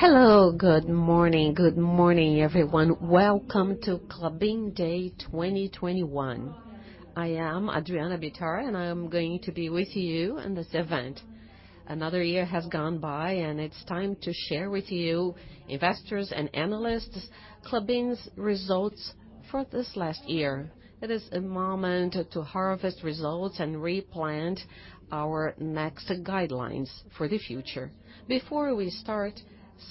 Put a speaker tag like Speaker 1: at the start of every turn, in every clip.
Speaker 1: Hello. Good morning. Good morning, everyone. Welcome to Klabin Day 2021. I am Adriana Bittar, and I'm going to be with you in this event. Another year has gone by, and it's time to share with you, investors and analysts, Klabin's results for this last year. It is a moment to harvest results and replant our next guidelines for the future. Before we start,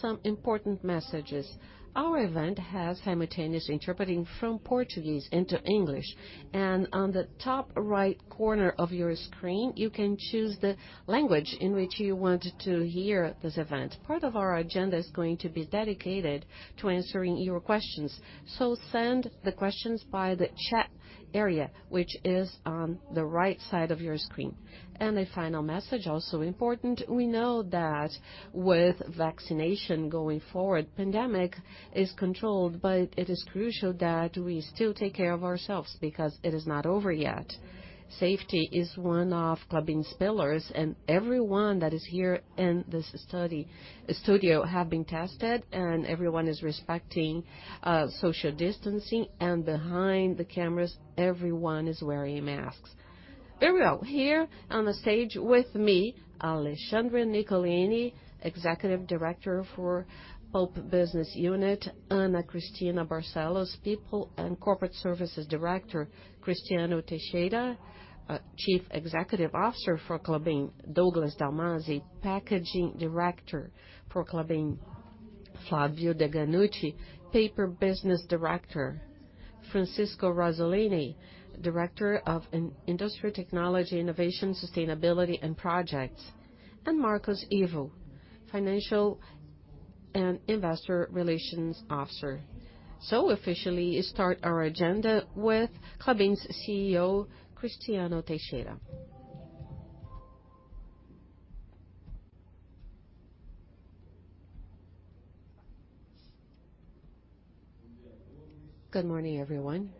Speaker 1: some important messages. Our event has simultaneous interpreting from Portuguese into English, and on the top right corner of your screen, you can choose the language in which you want to hear this event. Part of our agenda is going to be dedicated to answering your questions. Send the questions by the chat area, which is on the right side of your screen. A final message, also important. We know that with vaccination going forward, pandemic is controlled, but it is crucial that we still take care of ourselves because it is not over yet. Safety is one of Klabin's pillars, and everyone that is here in this studio have been tested, and everyone is respecting social distancing, and behind the cameras, everyone is wearing masks. Very well. Here on the stage with me, Alexandre Nicolini, Executive Director for Pulp Business Unit, Ana Cristina Barcellos, People and Corporate Services Director, Cristiano Teixeira, Chief Executive Officer for Klabin, Douglas Dalmasi, Packaging Director for Klabin, Flavio Deganutti, Paper Business Director, Francisco Razzolini, Director of Industrial Technology, Innovation, Sustainability and Projects, and Marcos Ivo, Financial and Investor Relations Officer. Officially start our agenda with Klabin's CEO, Cristiano Teixeira.
Speaker 2: Good morning, everyone.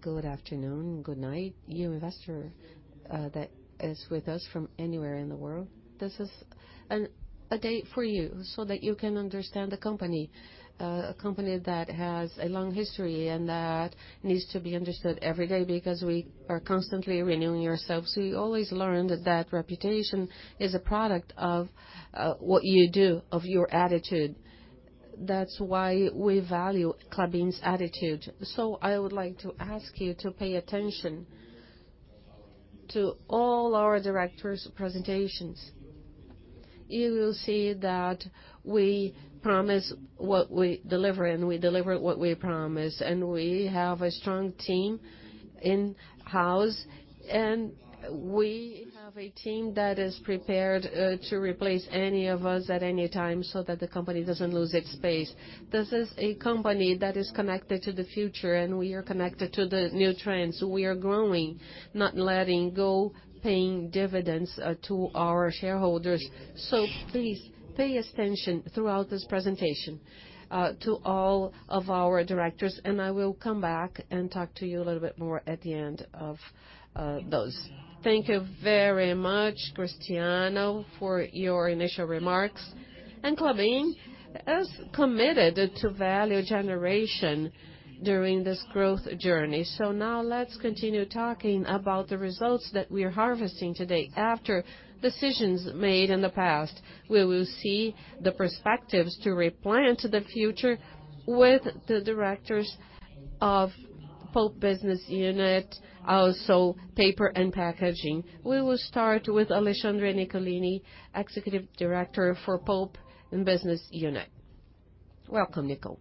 Speaker 2: Good afternoon, good night. You investors that are with us from anywhere in the world, this is a day for you so that you can understand the company, a company that has a long history and that needs to be understood every day because we are constantly renewing ourselves. We always learn that reputation is a product of what you do, of your attitude. That's why we value Klabin's attitude. I would like to ask you to pay attention to all our Directors' presentations. You will see that we promise what we deliver, and we deliver what we promise. We have a strong team in-house, and we have a team that is prepared to replace any of us at any time so that the company doesn't lose its pace. This is a company that is connected to the future, and we are connected to the new trends. We are growing, not letting go paying dividends to our shareholders. Please pay attention throughout this presentation to all of our Directors, and I will come back and talk to you a little bit more at the end of those.
Speaker 1: Thank you very much, Cristiano, for your initial remarks. Klabin is committed to value generation during this growth journey. Now let's continue talking about the results that we are harvesting today after decisions made in the past. We will see the perspectives to replant the future with the Directors of Pulp Business Unit, also Paper and Packaging. We will start with Alexandre Nicolini, Executive Director for Pulp Business Unit. Welcome, Nico.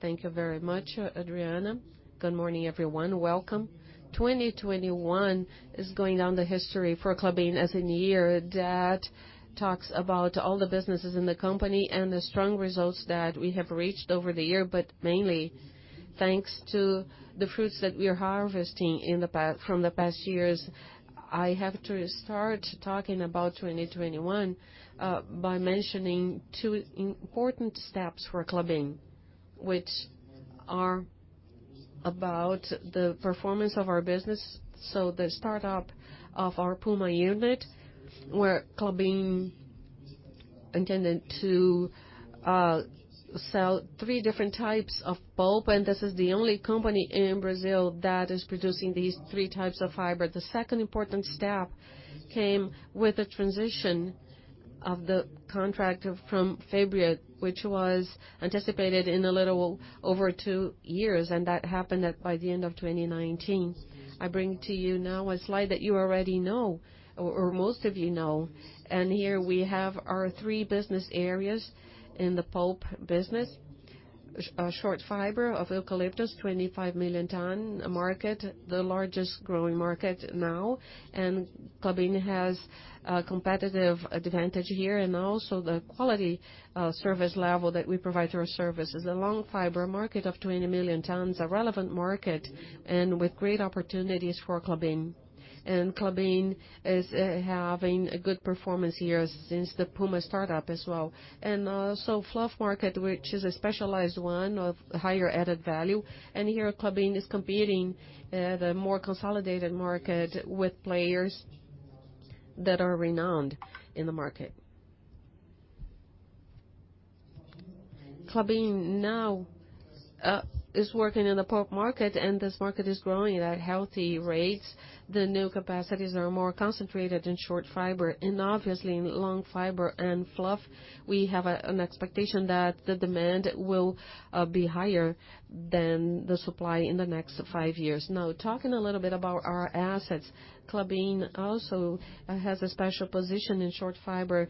Speaker 3: Thank you very much, Adriana. Good morning, everyone. Welcome. 2021 is going down in history for Klabin as a year that talks about all the businesses in the company and the strong results that we have reached over the year, but mainly thanks to the fruits that we are harvesting from the past years. I have to start talking about 2021 by mentioning two important steps for Klabin, which are about the performance of our business. The startup of our Puma Unit, where Klabin intended to sell three different types of pulp, and this is the only company in Brazil that is producing these three types of fiber. The second important step came with the transition of the contract from Fibria, which was anticipated in a little over 2 years, and that happened by the end of 2019. I bring to you now a slide that you already know or most of you know. Here we have our three business areas in the pulp business. Short fiber of eucalyptus, 25 million ton market, the largest growing market now, and Klabin has a competitive advantage here and also the quality, service level that we provide through our services. The long fiber market of 20 million tons, a relevant market and with great opportunities for Klabin. Klabin is having a good performance here since the Puma startup as well. Also fluff market, which is a specialized one of higher added value. Here Klabin is competing at a more consolidated market with players that are renowned in the market. Klabin now is working in the pulp market and this market is growing at healthy rates. The new capacities are more concentrated in short fiber and obviously in long fiber and fluff. We have an expectation that the demand will be higher than the supply in the next 5 years. Now, talking a little bit about our assets. Klabin also has a special position in short fiber.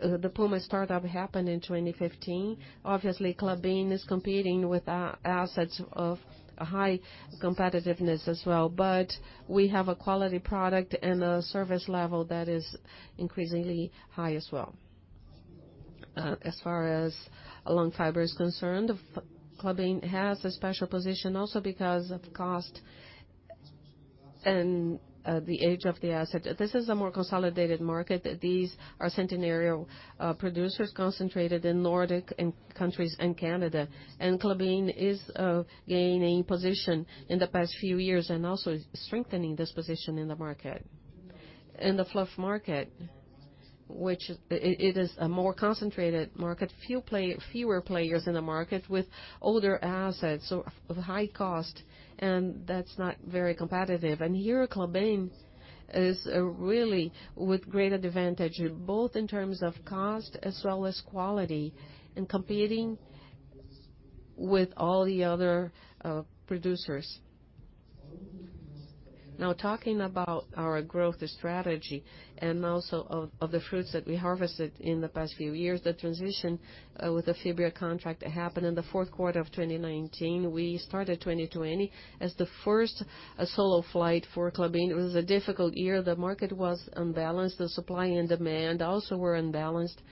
Speaker 3: The Puma start-up happened in 2015. Obviously, Klabin is competing with assets of a high competitiveness as well. But we have a quality product and a service level that is increasingly high as well. As far as long fiber is concerned, Klabin has a special position also because of cost and the age of the asset. This is a more consolidated market. These are centenarian producers concentrated in Nordic countries and Canada. Klabin is gaining position in the past few years and also strengthening this position in the market. In the fluff market, which it is a more concentrated market, fewer players in the market with older assets or of high cost, and that's not very competitive. Here, Klabin is really with great advantage, both in terms of cost as well as quality and competing with all the other producers. Now talking about our growth strategy and also of the fruits that we harvested in the past few years. The transition with the Fibria contract happened in the fourth quarter of 2019. We started 2020 as the first solo flight for Klabin. It was a difficult year. The market was unbalanced. The supply and demand also were unbalanced.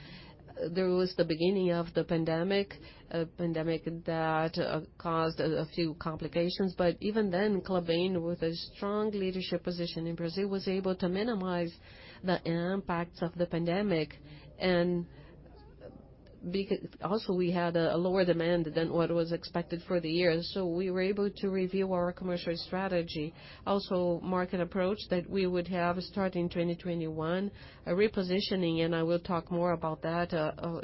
Speaker 3: There was the beginning of the pandemic, a pandemic that caused a few complications. Even then, Klabin, with a strong leadership position in Brazil, was able to minimize the impacts of the pandemic. Also, we had a lower demand than what was expected for the year. We were able to review our commercial strategy. Market approach that we would have starting 2021, a repositioning, and I will talk more about that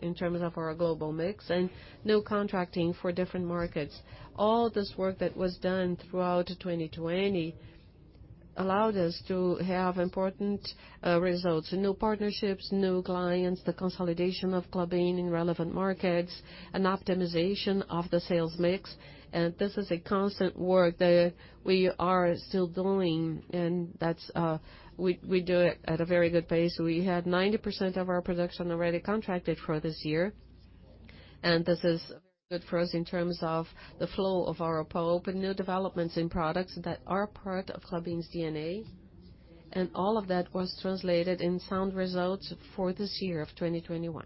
Speaker 3: in terms of our global mix and new contracting for different markets. All this work that was done throughout 2020 allowed us to have important results. New partnerships, new clients, the consolidation of Klabin in relevant markets, an optimization of the sales mix. This is a constant work that we are still doing, and that's we do it at a very good pace. We had 90% of our production already contracted for this year, and this is good for us in terms of the flow of our pulp and new developments in products that are part of Klabin's DNA. All of that was translated in sound results for this year of 2021.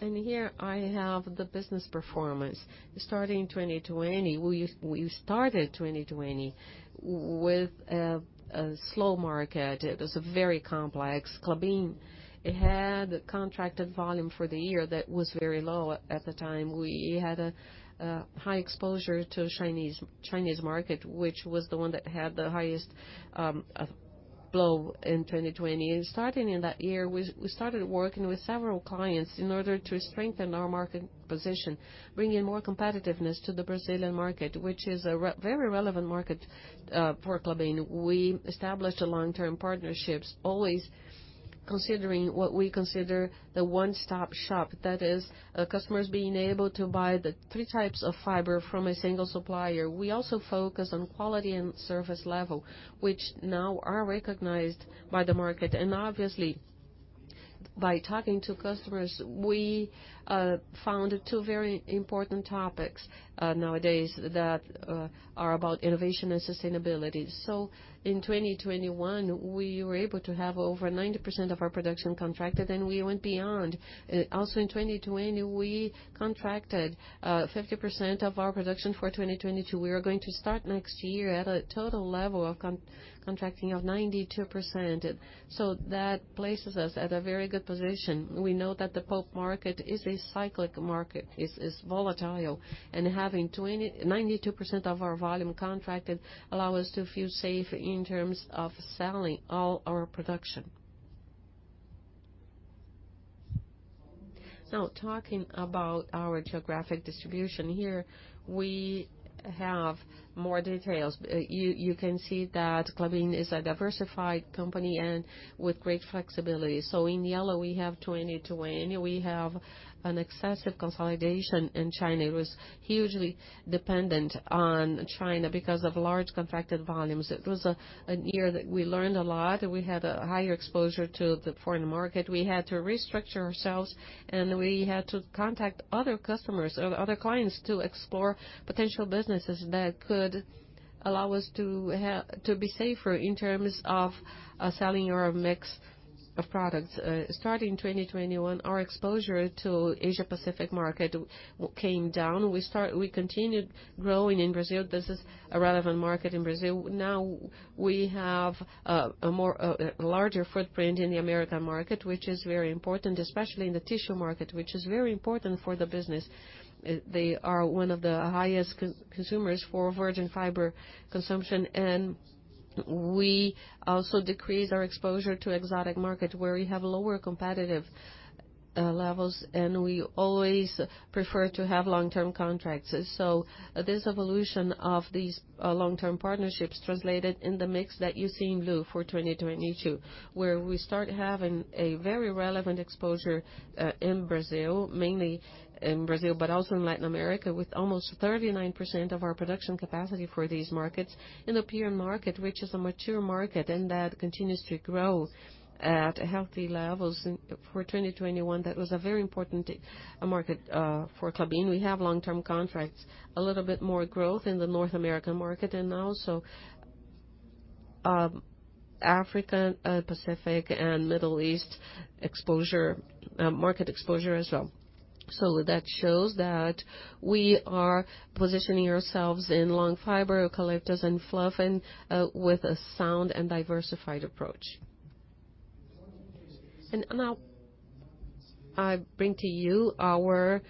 Speaker 3: Here I have the business performance. Starting 2020, we started 2020 with a slow market. It was very complex. Klabin had contracted volume for the year that was very low at the time. We had a high exposure to Chinese market, which was the one that had the highest blow in 2020. Starting in that year, we started working with several clients in order to strengthen our market position, bringing more competitiveness to the Brazilian market, which is a very relevant market for Klabin. We established long-term partnerships, always considering what we consider the one-stop-shop. That is, customers being able to buy the three types of fiber from a single supplier. We also focus on quality and service level, which now are recognized by the market. Obviously, by talking to customers, we found two very important topics nowadays that are about innovation and sustainability. In 2021, we were able to have over 90% of our production contracted, and we went beyond. Also in 2020, we contracted 50% of our production for 2022. We are going to start next year at a total level of contracting of 92%. That places us at a very good position. We know that the pulp market is a cyclic market. It's volatile. Having 92% of our volume contracted allows us to feel safe in terms of selling all our production. Now talking about our geographic distribution. Here we have more details. You can see that Klabin is a diversified company and with great flexibility. In yellow, we have 2020. We have an excessive concentration in China. It was hugely dependent on China because of large contracted volumes. It was a year that we learned a lot. We had a higher exposure to the foreign market. We had to restructure ourselves, and we had to contact other customers or other clients to explore potential businesses that could allow us to be safer in terms of selling our mix of products. Starting 2021, our exposure to Asia Pacific market came down. We continued growing in Brazil. This is a relevant market in Brazil. Now we have a more larger footprint in the American market, which is very important, especially in the tissue market, which is very important for the business. They are one of the highest consumers for virgin fiber consumption. We also decrease our exposure to export market where we have lower competitive levels, and we always prefer to have long-term contracts. This evolution of these long-term partnerships translated in the mix that you see in blue for 2022, where we start having a very relevant exposure in Brazil, mainly in Brazil, but also in Latin America, with almost 39% of our production capacity for these markets. In the pulp market, which is a mature market, and that continues to grow at healthy levels. For 2021, that was a very important market for Klabin. We have long-term contracts, a little bit more growth in the North American market and also, African, Pacific, and Middle East exposure, market exposure as well. That shows that we are positioning ourselves in long fiber collectors and fluff and, with a sound and diversified approach. Now I bring to you our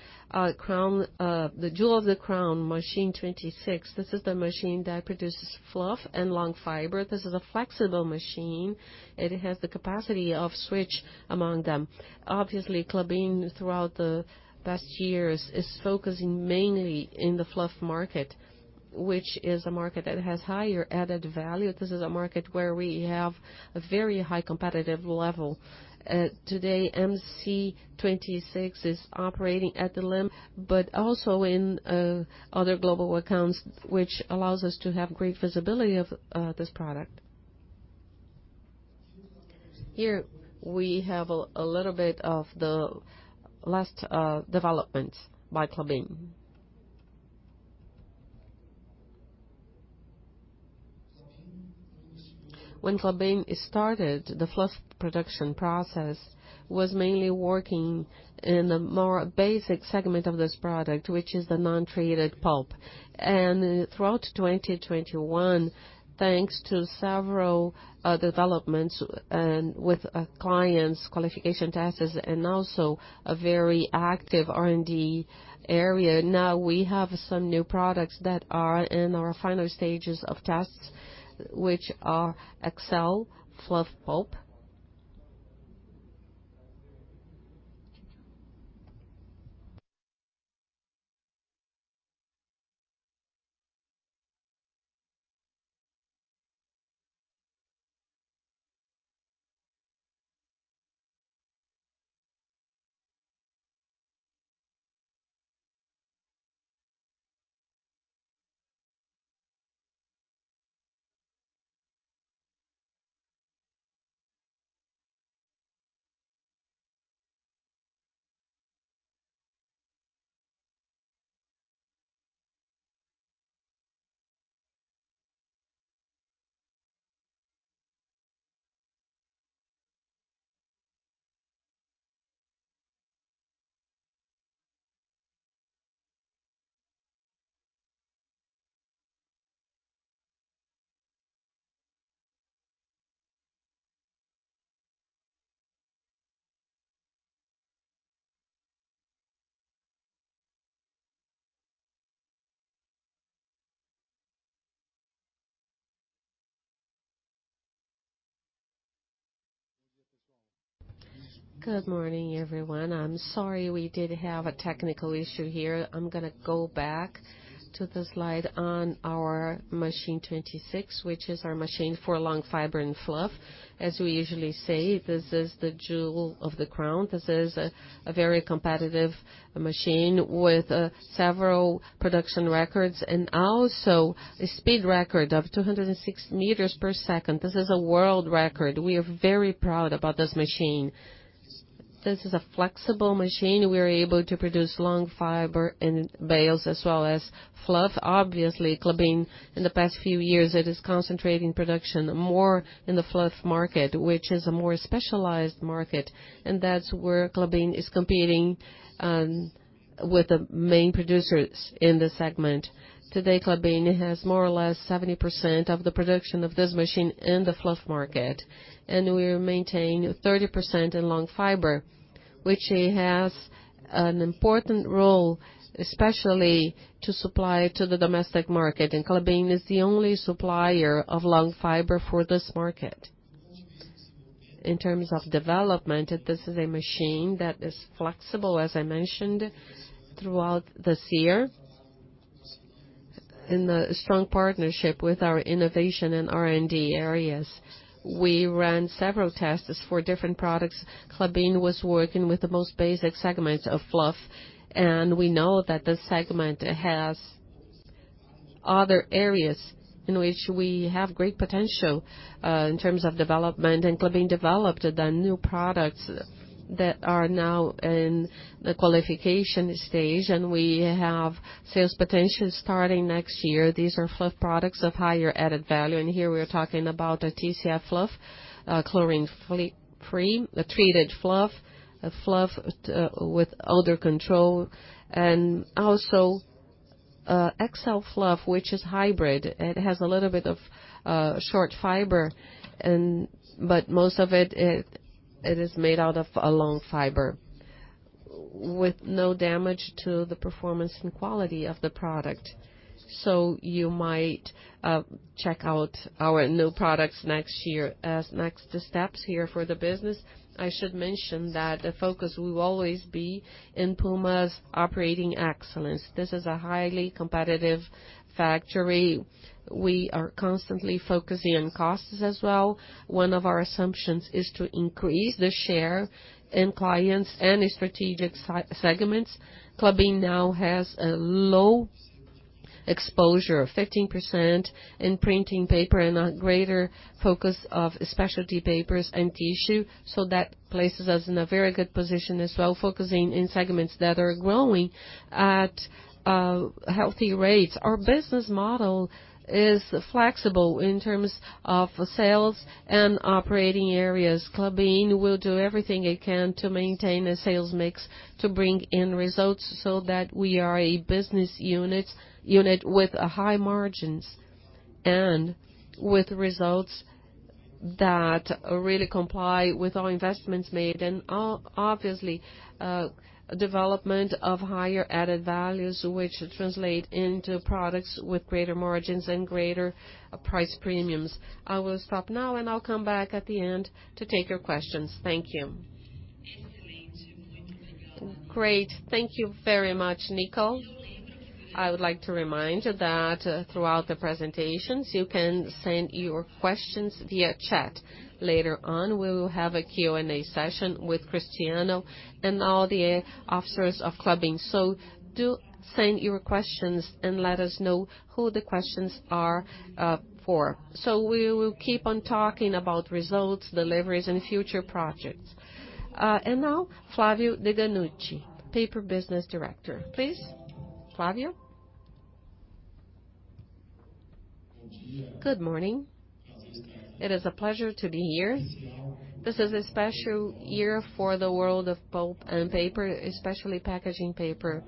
Speaker 3: crown, the jewel of the crown, Machine 26. This is the machine that produces fluff and long fiber. This is a flexible machine. It has the capacity to switch among them. Obviously, Klabin, throughout the past years, is focusing mainly in the fluff market, which is a market that has higher added value. This is a market where we have a very high competitive level. Today, MC26 is operating at the limit, but also in other global accounts, which allows us to have great visibility of this product. Here we have a little bit of the latest developments by Klabin. When Klabin started the fluff production process, it was mainly working in a more basic segment of this product, which is the non-treated pulp. Throughout 2021, thanks to several developments and with clients qualification tests and also a very active R&D area, now we have some new products that are in our final stages of tests, which are PineFluff eXcel. Good morning, everyone. I'm sorry, we did have a technical issue here. I'm gonna go back to the slide on our Machine 26, which is our machine for long fiber and fluff. As we usually say, this is the jewel of the crown. This is a very competitive machine with several production records and also a speed record of 206 meters per second. This is a world record. We are very proud about this machine. This is a flexible machine. We are able to produce long fiber in bales as well as fluff. Obviously, Klabin, in the past few years, it is concentrating production more in the fluff market, which is a more specialized market. That's where Klabin is competing with the main producers in this segment. Today, Klabin has more or less 70% of the production of this machine in the fluff market, and we maintain 30% in long fiber, which it has an important role, especially to supply to the domestic market. Klabin is the only supplier of long fiber for this market. In terms of development, this is a machine that is flexible, as I mentioned, throughout this year. In a strong partnership with our innovation and R&D areas, we ran several tests for different products. Klabin was working with the most basic segments of fluff, and we know that this segment has other areas in which we have great potential in terms of development. Klabin developed the new products that are now in the qualification stage, and we have sales potential starting next year. These are fluff products of higher added value, and here we're talking about a TCF fluff, chlorine-free, a treated fluff, a fluff with odor control. PineFluff eXcel, which is hybrid. It has a little bit of short fiber and but most of it is made out of a long fiber. With no damage to the performance and quality of the product. You might check out our new products next year. As next steps here for the business, I should mention that the focus will always be in Puma's operating excellence. This is a highly competitive factory. We are constantly focusing on costs as well. One of our assumptions is to increase the share in clients and in strategic segments. Klabin now has a low exposure of 15% in printing paper and a greater focus of specialty papers and tissue, so that places us in a very good position as well, focusing in segments that are growing at healthy rates. Our business model is flexible in terms of sales and operating areas. Klabin will do everything it can to maintain a sales mix to bring in results so that we are a business unit with high margins and with results that really comply with our investments made and obviously, development of higher added values which translate into products with greater margins and greater price premiums. I will stop now, and I'll come back at the end to take your questions. Thank you.
Speaker 1: Great. Thank you very much, Nico. I would like to remind that throughout the presentations, you can send your questions via chat. Later on, we will have a Q&A session with Cristiano and all the officers of Klabin. Do send your questions and let us know who the questions are for. We will keep on talking about results, deliveries and future projects. Now, Flavio Deganutti, Paper Business Director. Please, Flávio.
Speaker 4: Good morning. It is a pleasure to be here. This is a special year for the world of Pulp and Paper, especially packaging paper.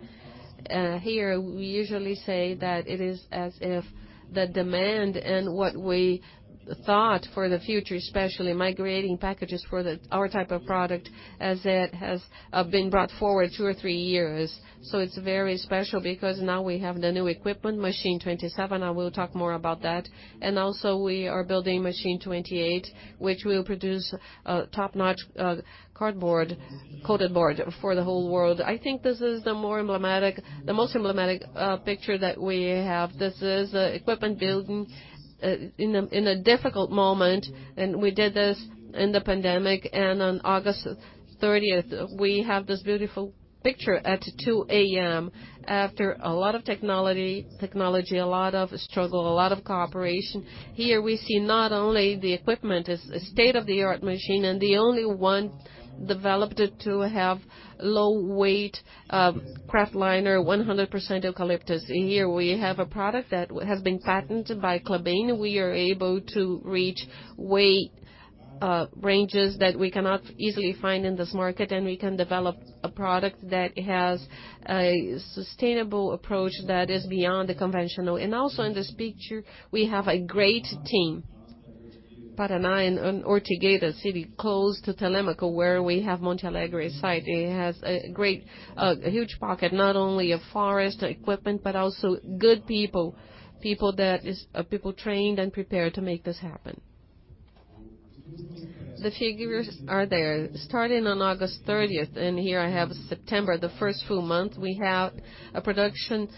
Speaker 4: Here, we usually say that it is as if the demand and what we thought for the future, especially migrating packages for our type of product, as it has been brought forward 2 or 3 years. It's very special because now we have the new equipment, Machine 27. I will talk more about that. We are building Machine 28, which will produce top-notch cardboard, coated board for the whole world. I think this is the most emblematic picture that we have. This is equipment building in a difficult moment, and we did this in the pandemic. On August 30th, we have this beautiful picture at 2:00 AM after a lot of technology, a lot of struggle, a lot of cooperation. Here, we see not only the equipment, it's a state-of-the-art machine and the only one developed to have low-weight kraftliner, 100% eucalyptus. Here we have a product that has been patented by Klabin. We are able to reach weight ranges that we cannot easily find in this market, and we can develop a product that has a sustainable approach that is beyond the conventional. Also in this picture, we have a great team in Paraná, in Ortigueira City, close to Telêmaco, where we have Monte Alegre site. It has a great, huge pocket, not only forest equipment, but also good people trained and prepared to make this happen. The figures are there. Starting on August 30th, here I have September, the first full month, we have a production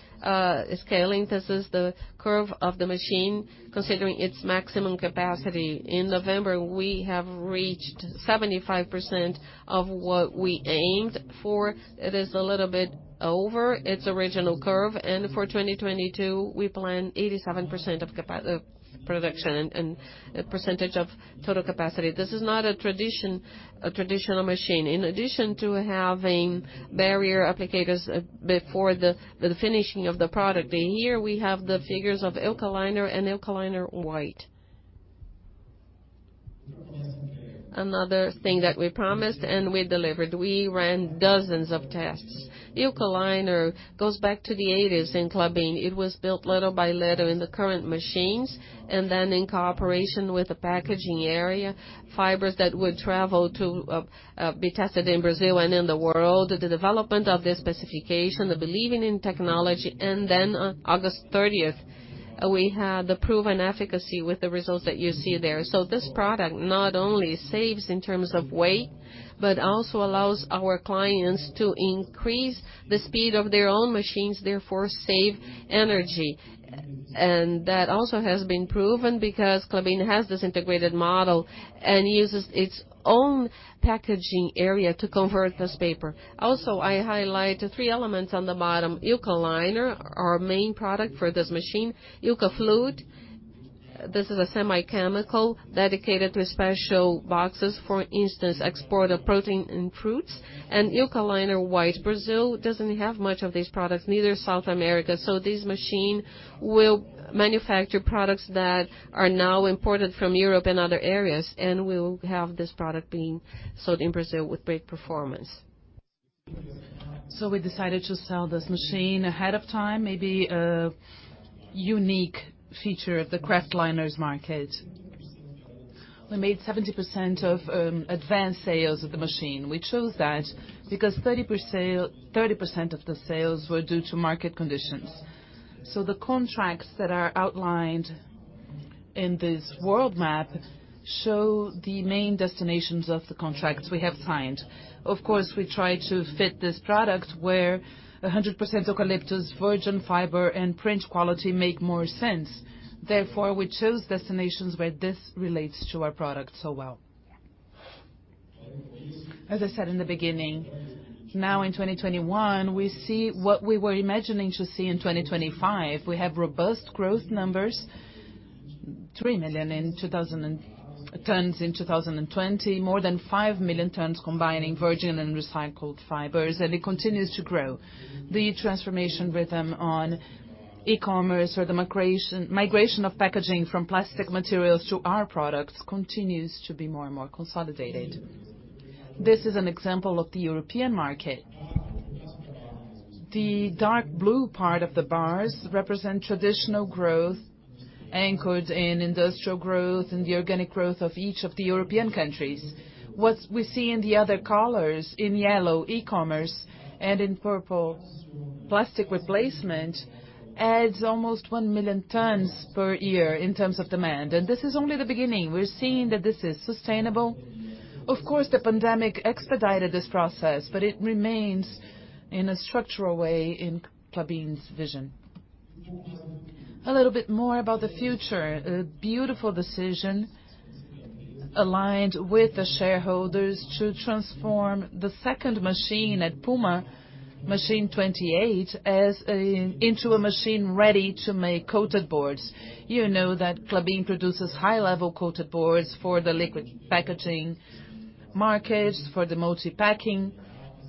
Speaker 4: scaling. This is the curve of the machine, considering its maximum capacity. In November, we have reached 75% of what we aimed for. It is a little bit over its original curve. For 2022, we plan 87% of production and percentage of total capacity. This is not a traditional machine. In addition to having barrier applicators before the finishing of the product. Here we have the figures of Eukaliner and Eukaliner White. Another thing that we promised and we delivered. We ran dozens of tests. Eukaliner goes back to the '80s in Klabin. It was built little by little in the current machines, and then in cooperation with the packaging area, fibers that would travel to be tested in Brazil and in the world. The development of the specification, the believing in technology, and then on August 30th, we had the proven efficacy with the results that you see there. This product not only saves in terms of weight, but also allows our clients to increase the speed of their own machines, therefore save energy. That also has been proven because Klabin has this integrated model and uses its own packaging area to convert this paper. Also, I highlight the three elements on the bottom. Eukaliner, our main product for this machine. Eukaflute, this is a semi-chemical dedicated to special boxes, for instance, export of protein and fruits. Eukaliner White Brazil doesn't have much of these products, neither South America. This machine will manufacture products that are now imported from Europe and other areas, and we'll have this product being sold in Brazil with great performance. We decided to sell this machine ahead of time, maybe a unique feature of the kraftliner's market. We made 70% of advanced sales of the machine. We chose that because 30% of the sales were due to market conditions. The contracts that are outlined in this world map show the main destinations of the contracts we have signed. Of course, we try to fit this product where 100% of eucalyptus, virgin fiber, and print quality make more sense. Therefore, we chose destinations where this relates to our product so well. As I said in the beginning, now in 2021, we see what we were imagining to see in 2025. We have robust growth numbers, 3 million tons in 2020, more than 5 million tons combining virgin and recycled fibers, and it continues to grow. The transformation rhythm on e-commerce or the migration of packaging from plastic materials to our products continues to be more and more consolidated. This is an example of the European market. The dark blue part of the bars represent traditional growth anchored in industrial growth and the organic growth of each of the European countries. What we see in the other colors, in yellow, e-commerce, and in purple, plastic replacement, adds almost 1 million tons per year in terms of demand, and this is only the beginning. We're seeing that this is sustainable. Of course, the pandemic expedited this process, but it remains in a structural way in Klabin's vision. A little bit more about the future. A beautiful decision aligned with the shareholders to transform the second machine at Puma, Machine 28, into a machine ready to make coated boards. You know that Klabin produces high-level coated boards for the liquid packaging market, for the multi-packing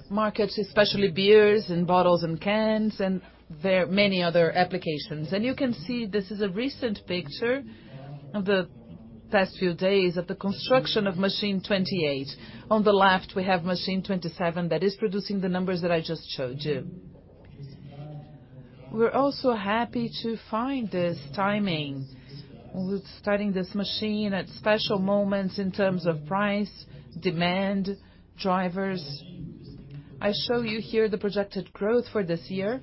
Speaker 4: market, especially beers and bottles and cans, and there are many other applications. You can see this is a recent picture of the past few days of the construction of Machine 28. On the left, we have Machine 27 that is producing the numbers that I just showed you. We're also happy to find this timing. We're starting this machine at special moments in terms of price, demand, drivers. I show you here the projected growth for this year.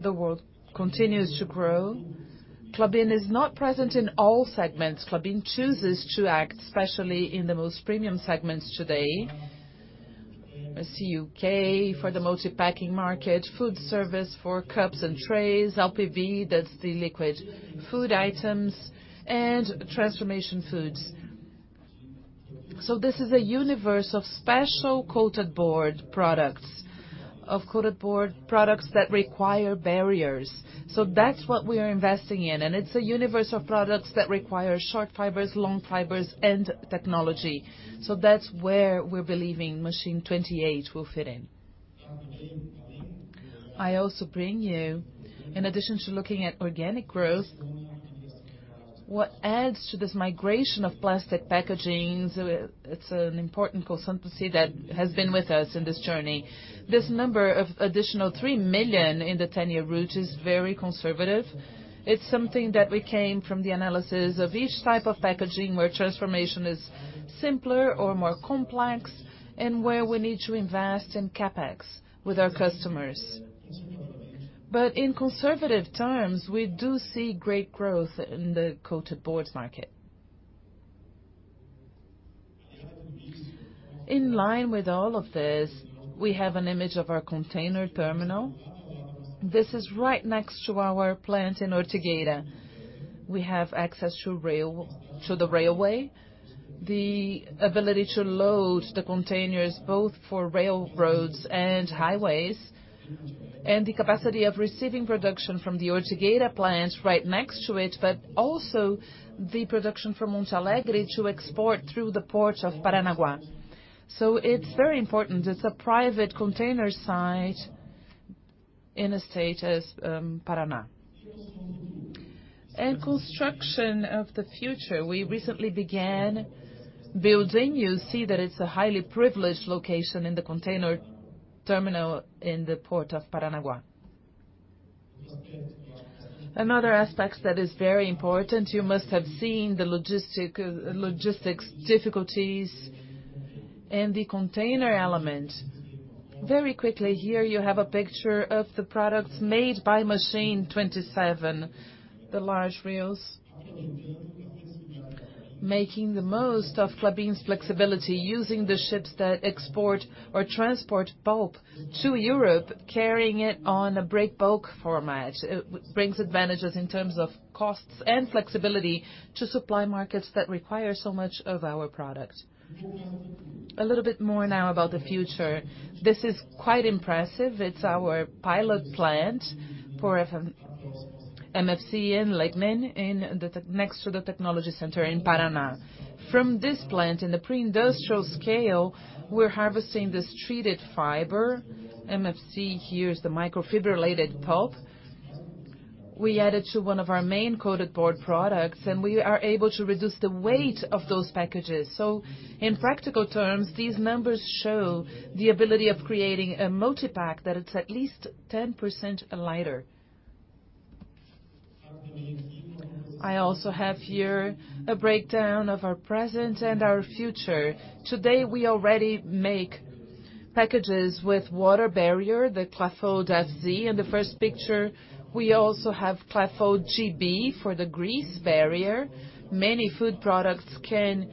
Speaker 4: The world continues to grow. Klabin is not present in all segments. Klabin chooses to act especially in the most premium segments today. CUK for the multi-packing market, food service for cups and trays, LPB, that's the liquid food items, and transformation foods. This is a universe of special coated board products, of coated board products that require barriers. That's what we are investing in, and it's a universe of products that require short fibers, long fibers, and technology. That's where we're believing Machine 28 will fit in. I also bring you, in addition to looking at organic growth, what adds to this migration of plastic packaging. It's an important consultancy that has been with us in this journey. This number of additional 3 million in the 10-year route is very conservative. It's something that we came from the analysis of each type of packaging where transformation is simpler or more complex and where we need to invest in CapEx with our customers. In conservative terms, we do see great growth in the coated boards market. In line with all of this, we have an image of our container terminal. This is right next to our plant in Ortigueira. We have access to rail, the railway, the ability to load the containers both for railroads and highways, and the capacity of receiving production from the Ortigueira plant right next to it, but also the production from Monte Alegre to export through the ports of Paranaguá. It's very important. It's a private container site in the state of Paraná. Construction of the future, we recently began building. You see that it's a highly privileged location in the container terminal in the port of Paranaguá. Another aspect that is very important, you must have seen the logistics difficulties and the container element. Very quickly here, you have a picture of the products made by Machine 27, the large reels. Making the most of Klabin's flexibility using the ships that export or transport pulp to Europe, carrying it on a break bulk format. It brings advantages in terms of costs and flexibility to supply markets that require so much of our product. A little bit more now about the future. This is quite impressive. It's our pilot plant for MFC in Lagoa next to the technology center in Paraná. From this plant in the pre-industrial scale, we're harvesting this treated fiber. MFC here is the microfibrillated pulp. We add it to one of our main coated board products, and we are able to reduce the weight of those packages. In practical terms, these numbers show the ability of creating a multi-pack that is at least 10% lighter. I also have here a breakdown of our present and our future. Today, we already make packages with water barrier, the KlaFold FZ. In the first picture, we also have Klafold GB for the grease barrier. Many food products can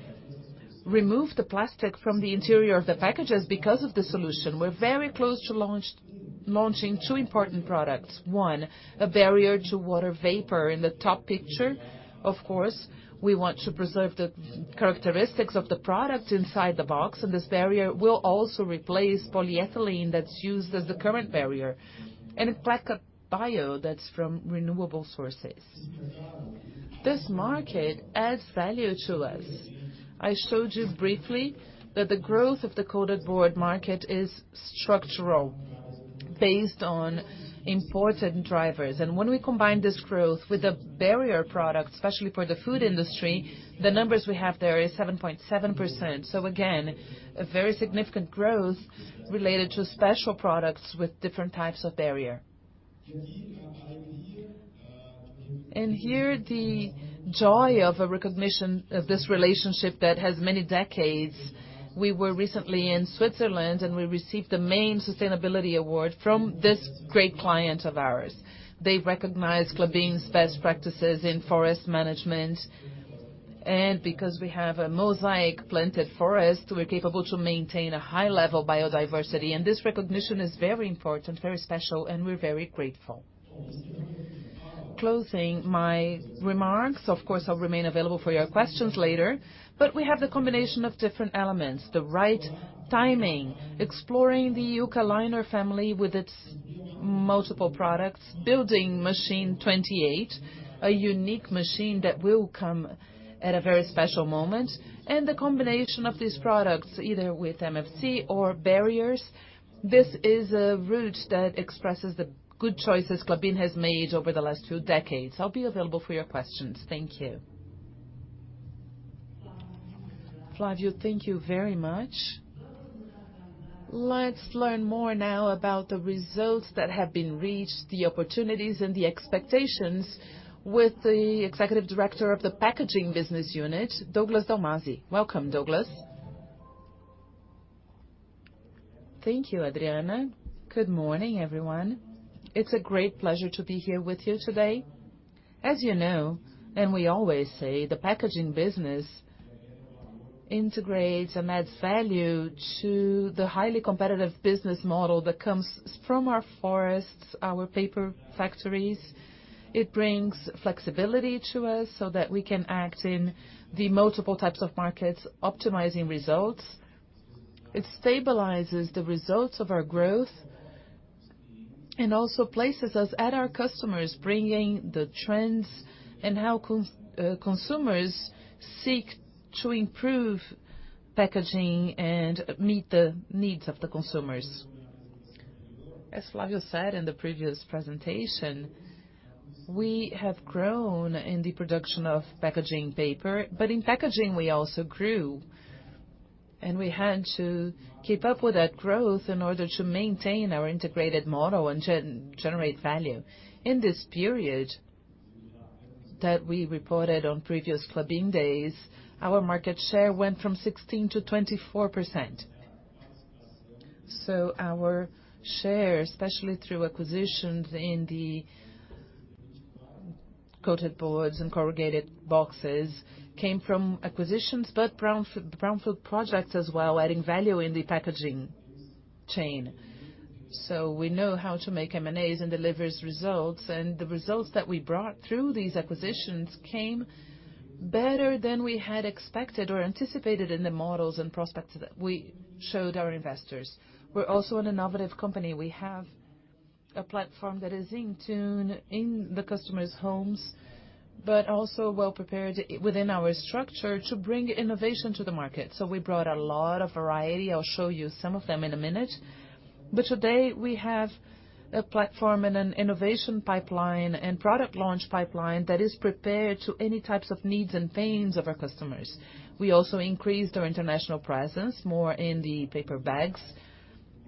Speaker 4: remove the plastic from the interior of the packages because of the solution. We're very close to launching two important products. One, a barrier to water vapor. In the top picture, of course, we want to preserve the characteristics of the product inside the box, and this barrier will also replace polyethylene that's used as the current barrier. Placa Bio, that's from renewable sources. This market adds value to us. I showed you briefly that the growth of the coated board market is structural based on important drivers. When we combine this growth with a barrier product, especially for the food industry, the numbers we have there is 7.7%. Again, a very significant growth related to special products with different types of barrier. Here, the joy of a recognition of this relationship that has many decades. We were recently in Switzerland, and we received the main sustainability award from this great client of ours. They recognized Klabin's best practices in forest management, and because we have a mosaic-planted forest, we're capable to maintain a high-level biodiversity. This recognition is very important, very special, and we're very grateful. Closing my remarks. Of course, I'll remain available for your questions later. We have the combination of different elements, the right timing, exploring the Eukaliner family with its multiple products, building Machine 28, a unique machine that will come at a very special moment, and the combination of these products, either with MFC or barriers. This is a route that expresses the good choices Klabin has made over the last few decades. I'll be available for your questions. Thank you.
Speaker 1: Flávio, thank you very much. Let's learn more now about the results that have been reached, the opportunities and the expectations with the Executive Director of the Packaging Business Unit, Douglas Dalmasi. Welcome, Douglas.
Speaker 5: Thank you, Adriana. Good morning, everyone. It's a great pleasure to be here with you today. As you know, and we always say, the packaging business integrates and adds value to the highly competitive business model that comes from our forests, our paper factories. It brings flexibility to us so that we can act in the multiple types of markets, optimizing results. It stabilizes the results of our growth and also places us at our customers, bringing the trends and how consumers seek to improve packaging and meet the needs of the consumers. As Flávio said in the previous presentation, we have grown in the production of packaging paper, but in packaging, we also grew, and we had to keep up with that growth in order to maintain our integrated model and generate value. In this period that we reported on previous Klabin Days, our market share went from 16%-24%. Our share, especially through acquisitions in the coated boards and corrugated boxes, came from acquisitions, but brownfield projects as well, adding value in the packaging chain. We know how to make M&As and delivers results, and the results that we brought through these acquisitions came better than we had expected or anticipated in the models and prospects that we showed our investors. We're also an innovative company. We have a platform that is in tune in the customer's homes, but also well-prepared within our structure to bring innovation to the market. We brought a lot of variety. I'll show you some of them in a minute. Today, we have a platform and an innovation pipeline and product launch pipeline that is prepared to any types of needs and pains of our customers. We also increased our international presence, more in the paper bags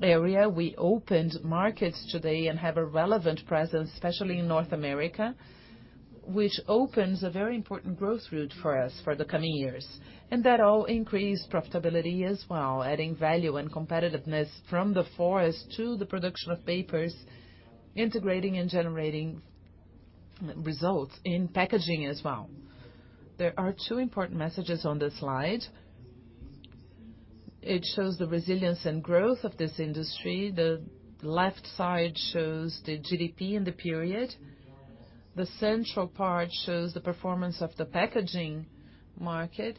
Speaker 5: area. We opened markets today and have a relevant presence, especially in North America, which opens a very important growth route for us for the coming years. That all increased profitability as well, adding value and competitiveness from the forest to the production of papers, integrating and generating results in packaging as well. There are two important messages on this slide. It shows the resilience and growth of this industry. The left side shows the GDP in the period. The central part shows the performance of the packaging market,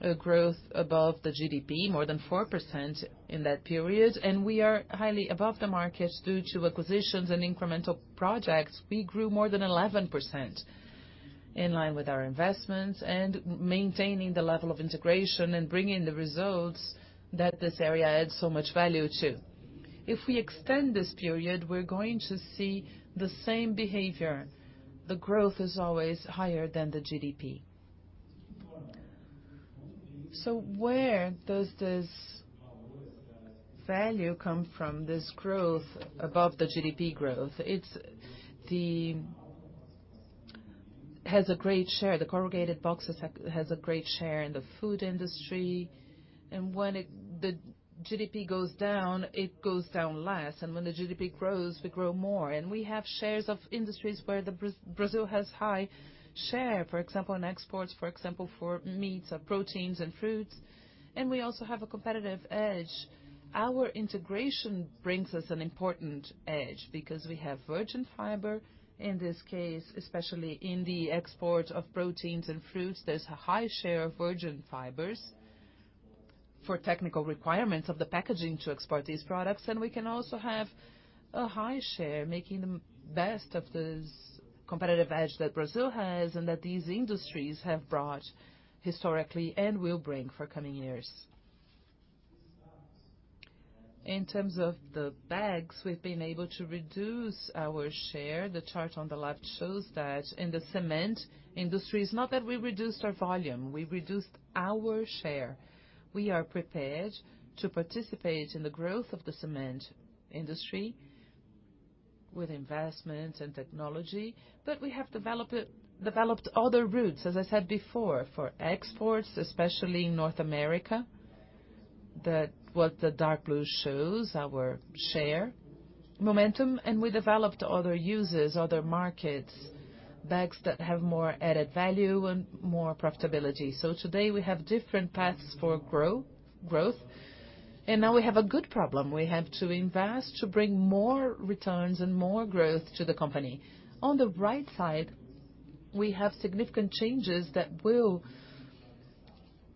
Speaker 5: a growth above the GDP, more than 4% in that period. We are highly above the market due to acquisitions and incremental projects. We grew more than 11%, in line with our investments and maintaining the level of integration and bringing the results that this area adds so much value to. If we extend this period, we're going to see the same behavior. The growth is always higher than the GDP. Where does this value come from, this growth above the GDP growth? It has a great share. The corrugated boxes has a great share in the food industry. When the GDP goes down, it goes down less. When the GDP grows, we grow more. We have shares of industries where Brazil has high share. For example, in exports, for example, for meats or proteins and fruits. We also have a competitive edge. Our integration brings us an important edge because we have virgin fiber. In this case, especially in the export of proteins and fruits, there's a high share of virgin fibers for technical requirements of the packaging to export these products. We can also have a high share making the best of this competitive edge that Brazil has and that these industries have brought historically and will bring for coming years. In terms of the bags, we've been able to reduce our share. The chart on the left shows that in the cement industry, it's not that we reduced our volume, we reduced our share. We are prepared to participate in the growth of the cement industry with investment and technology. We have developed other routes, as I said before, for exports, especially in North America, that what the dark blue shows our share momentum. We developed other uses, other markets, bags that have more added value and more profitability. Today we have different paths for growth, and now we have a good problem. We have to invest to bring more returns and more growth to the company. On the right side, we have significant changes that will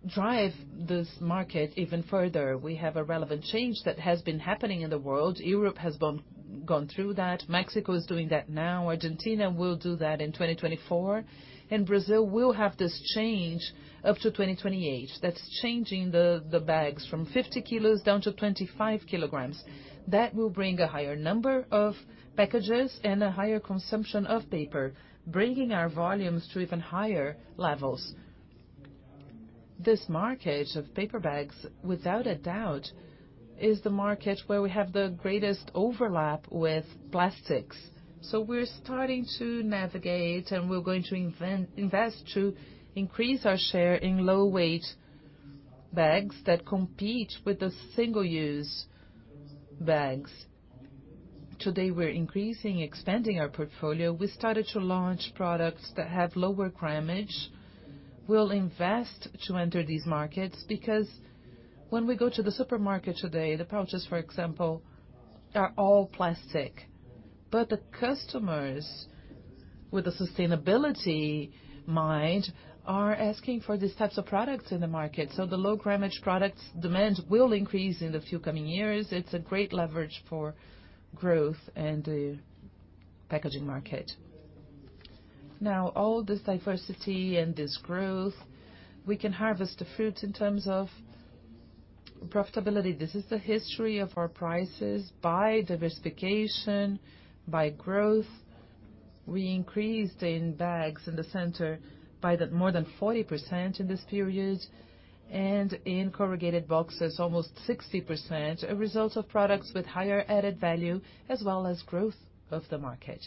Speaker 5: drive this market even further. We have a relevant change that has been happening in the world. Europe has gone through that. Mexico is doing that now. Argentina will do that in 2024. Brazil will have this change up to 2028. That's changing the bags from 50 kg down to 25 kgs. That will bring a higher number of packages and a higher consumption of paper, bringing our volumes to even higher levels. This market of paper bags, without a doubt, is the market where we have the greatest overlap with plastics. We're starting to navigate and we're going to invest to increase our share in low-weight bags that compete with the single-use bags. Today, we're increasing, expanding our portfolio. We started to launch products that have lower grammage. We'll invest to enter these markets because when we go to the supermarket today, the pouches, for example, are all plastic. Customers with a sustainability mind are asking for these types of products in the market. The low grammage products demand will increase in the few coming years. It's a great leverage for growth in the packaging market. All this diversity and this growth, we can harvest the fruits in terms of profitability. This is the history of our prices by diversification, by growth. We increased in bags in the segment by more than 40% in this period, and in corrugated boxes almost 60%, a result of products with higher added value as well as growth of the market.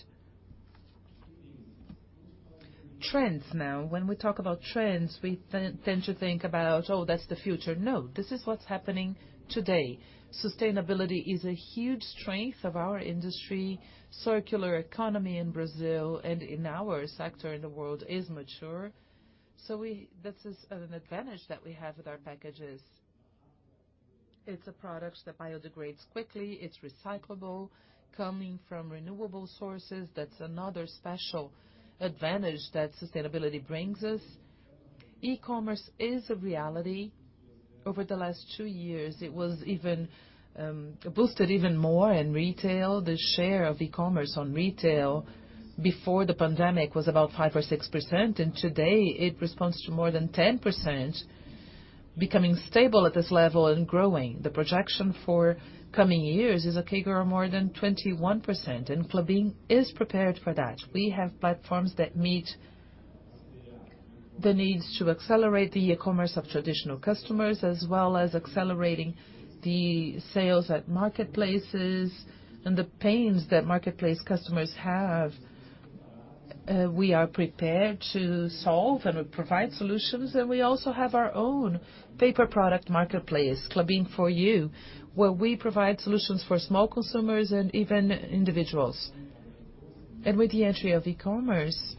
Speaker 5: Trends now. When we talk about trends, we tend to think about, "Oh, that's the future." No, this is what's happening today. Sustainability is a huge strength of our industry. Circular economy in Brazil and in our sector in the world is mature. This is an advantage that we have with our packages. It's a product that biodegrades quickly. It's recyclable, coming from renewable sources. That's another special advantage that sustainability brings us. E-commerce is a reality. Over the last two years, it was even boosted even more in retail. The share of e-commerce on retail before the pandemic was about 5% or 6%, and today it responds to more than 10% becoming stable at this level and growing. The projection for coming years is a CAGR of more than 21%, and Klabin is prepared for that. We have platforms that meet the needs to accelerate the e-commerce of traditional customers, as well as accelerating the sales at marketplaces and the pains that marketplace customers have. We are prepared to solve and provide solutions. We also have our own paper product marketplace, Klabin ForYou, where we provide solutions for small consumers and even individuals. With the entry of e-commerce,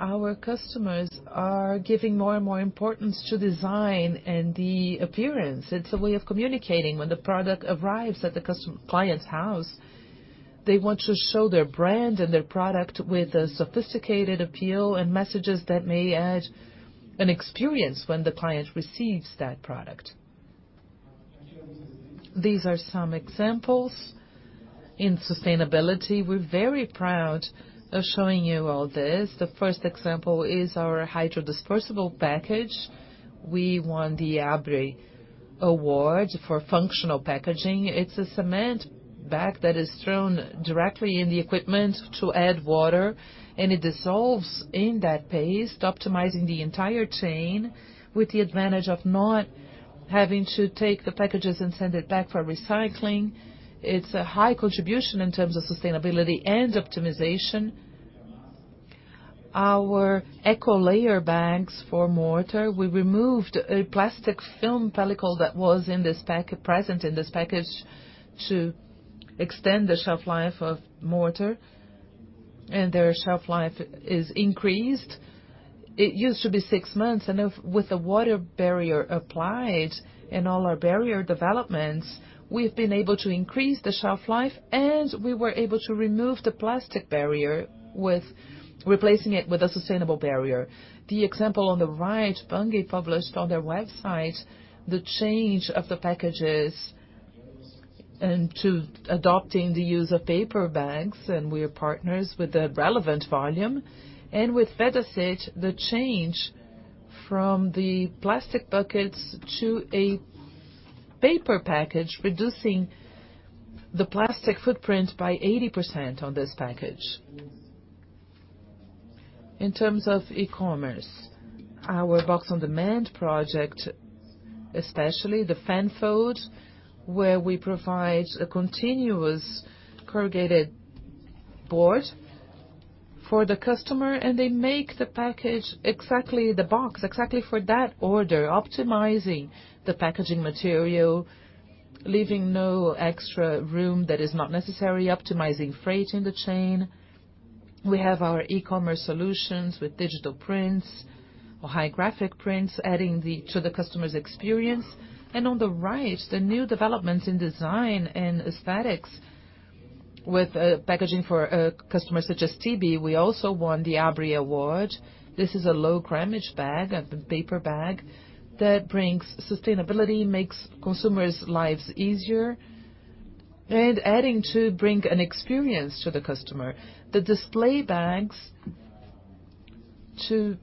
Speaker 5: our customers are giving more and more importance to design and the appearance. It's a way of communicating. When the product arrives at the customer's house, they want to show their brand and their product with a sophisticated appeal and messages that may add an experience when the client receives that product. These are some examples in sustainability. We're very proud of showing you all this. The first example is our hydrodispersible package. We won the ABRE Award for functional packaging. It's a cement bag that is thrown directly in the equipment to add water, and it dissolves in that paste, optimizing the entire chain with the advantage of not having to take the packages and send it back for recycling. It's a high contribution in terms of sustainability and optimization. Our EcoLayer bags for mortar. We removed a plastic film pellicle that was present in this package to extend the shelf life of mortar, and their shelf life is increased. It used to be six months, and with the water barrier applied and all our barrier developments, we've been able to increase the shelf life, and we were able to remove the plastic barrier with replacing it with a sustainable barrier. The example on the right, Bunge published on their website the change of the packages and to adopting the use of paper bags, and we are partners with a relevant volume. With Vedacit, the change from the plastic buckets to a paper package, reducing the plastic footprint by 80% on this package. In terms of e-commerce, our box on demand project, especially the fan fold, where we provide a continuous corrugated board for the customer, and they make the package exactly the box, exactly for that order, optimizing the packaging material, leaving no extra room that is not necessary, optimizing freight in the chain. We have our e-commerce solutions with digital prints or high graphic prints, adding to the customer's experience. On the right, the new developments in design and aesthetics with packaging for customers such as TB. We also won the ABRE award. This is a low grammage bag, a paper bag that brings sustainability, makes consumers' lives easier and adding to bring an experience to the customer. The display bags to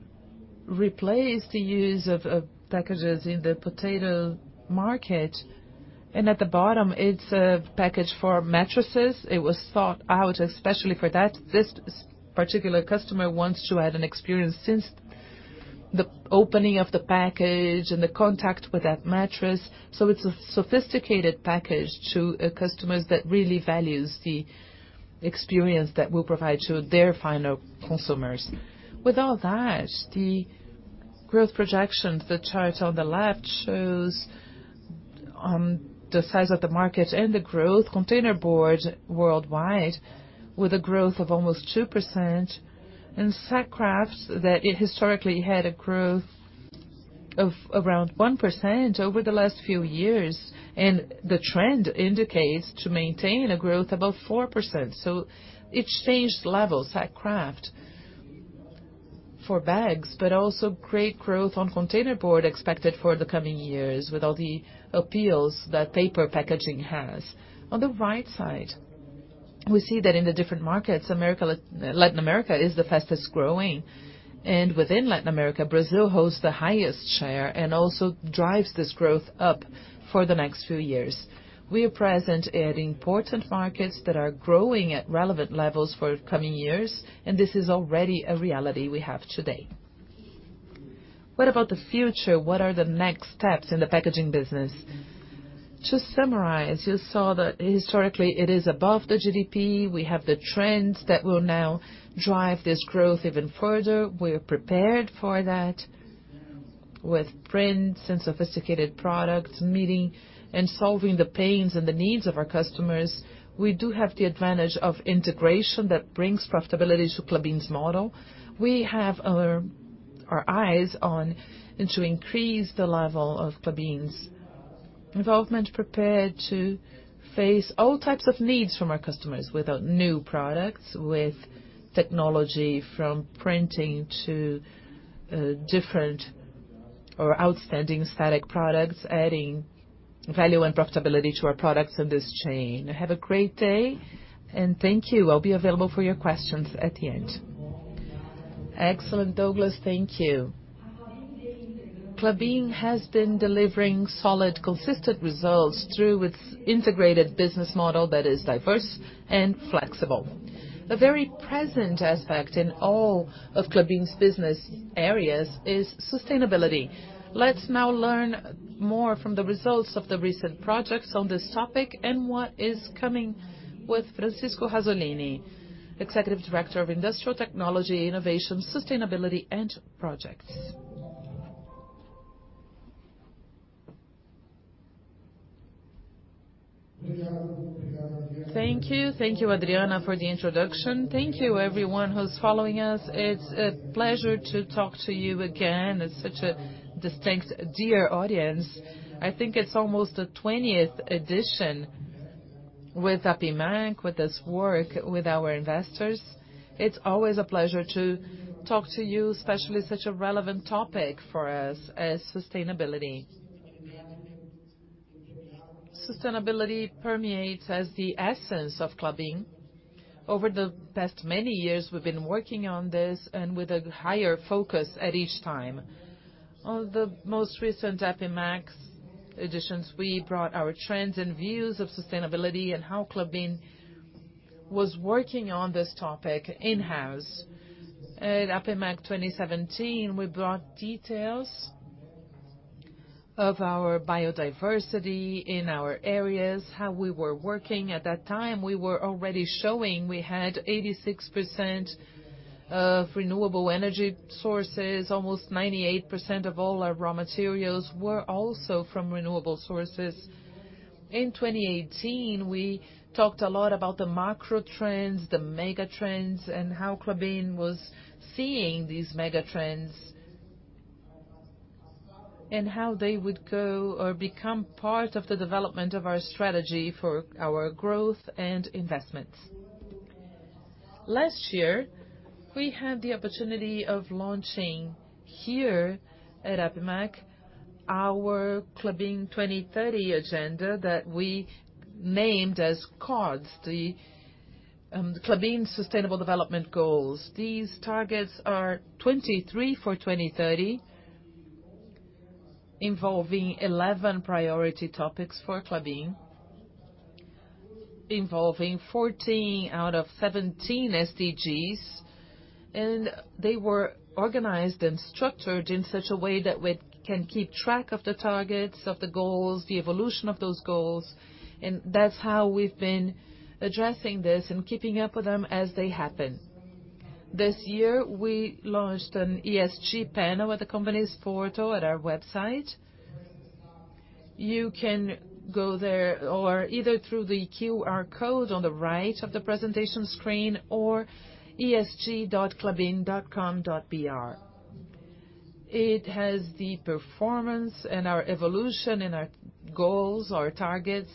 Speaker 5: replace the use of packages in the potato market. At the bottom, it's a package for mattresses. It was thought out especially for that. This particular customer wants to add an experience since the opening of the package and the contact with that mattress, so it's a sophisticated package to customers that really values the experience that we'll provide to their final consumers. With all that, the growth projections, the chart on the left shows on the size of the market and the growth containerboard worldwide with a growth of almost 2%. In sack kraft that it historically had a growth of around 1% over the last few years, and the trend indicates to maintain a growth above 4%. It changed levels at kraft for bags, but also great growth on containerboard expected for the coming years with all the appeals that paper packaging has. On the right side, we see that in the different markets, America, Latin America is the fastest-growing. Within Latin America, Brazil hosts the highest share and also drives this growth up for the next few years. We are present at important markets that are growing at relevant levels for coming years, and this is already a reality we have today. What about the future? What are the next steps in the packaging business? To summarize, you saw that historically it is above the GDP. We have the trends that will now drive this growth even further. We're prepared for that with plants and sophisticated products, meeting and solving the pains and the needs of our customers. We do have the advantage of integration that brings profitability to Klabin's model. We have our eyes on and to increase the level of Klabin's involvement, prepared to face all types of needs from our customers with new products, with technology from printing to different or outstanding static products, adding value and profitability to our products in this chain. Have a great day, and thank you. I'll be available for your questions at the end.
Speaker 1: Excellent, Douglas. Thank you. Klabin has been delivering solid, consistent results through its integrated business model that is diverse and flexible. A very present aspect in all of Klabin's business areas is sustainability. Let's now learn more from the results of the recent projects on this topic and what is coming with Francisco Razzolini, Executive Director of Industrial Technology, Innovation, Sustainability, and Projects.
Speaker 6: Thank you. Thank you, Adriana, for the introduction. Thank you everyone who's following us. It's a pleasure to talk to you again. It's such a pleasure, dear audience. I think it's almost the 20th Edition with APIMEC, with this work with our investors. It's always a pleasure to talk to you, especially such a relevant topic for us as sustainability. Sustainability permeates as the essence of Klabin. Over the past many years, we've been working on this and with a higher focus at each time. On the most recent APIMEC editions, we brought our trends and views of sustainability and how Klabin was working on this topic in-house. At APIMEC 2017, we brought details of our biodiversity in our areas, how we were working. At that time, we were already showing we had 86% of renewable energy sources. Almost 98% of all our raw materials were also from renewable sources. In 2018, we talked a lot about the macro trends, the mega trends, and how Klabin was seeing these mega trends, and how they would go or become part of the development of our strategy for our growth and investments. Last year, we had the opportunity of launching here at APIMEC, our Klabin 2030 agenda that we named KODs, the Klabin Sustainable Development Goals. These targets are 23 for 2030, involving 11 priority topics for Klabin, involving 14 out of 17 SDGs. They were organized and structured in such a way that we can keep track of the targets, of the goals, the evolution of those goals, and that's how we've been addressing this and keeping up with them as they happen. This year, we launched an ESG panel with the company's portal at our website. You can go there or either through the QR code on the right of the presentation screen or esg.klabin.com.br. It has the performance and our evolution and our goals, our targets,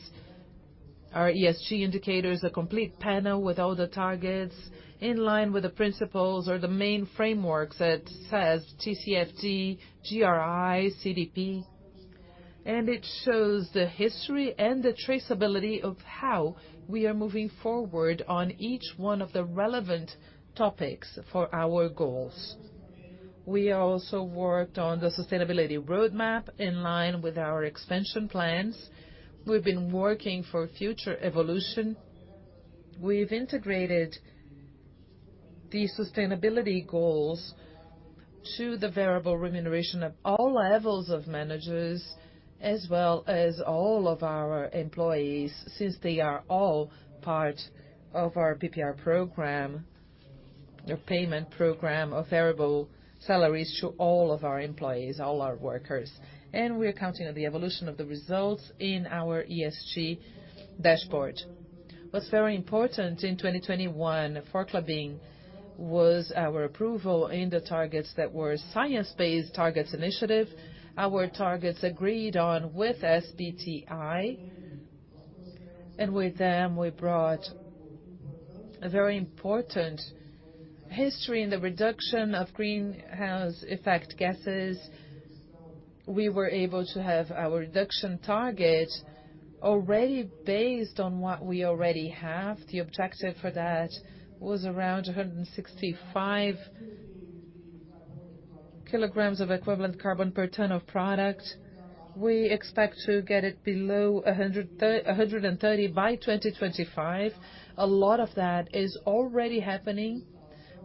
Speaker 6: our ESG indicators, a complete panel with all the targets in line with the principles or the main frameworks that says TCFD, GRI, CDP. It shows the history and the traceability of how we are moving forward on each one of the relevant topics for our goals. We also worked on the sustainability roadmap in line with our expansion plans. We've been working for future evolution. We've integrated the sustainability goals to the variable remuneration of all levels of managers as well as all of our employees, since they are all part of our PPR program, the payment program of variable salaries to all of our employees, all our workers. We're counting on the evolution of the results in our ESG dashboard. What's very important in 2021 for Klabin was our approval in the targets that were Science Based Targets Initiative. Our targets agreed on with SBTI. With them, we brought a very important history in the reduction of greenhouse gases. We were able to have our reduction target already based on what we already have. The objective for that was around 165 kg of carbon equivalent per ton of product. We expect to get it below 130 kg by 2025. A lot of that is already happening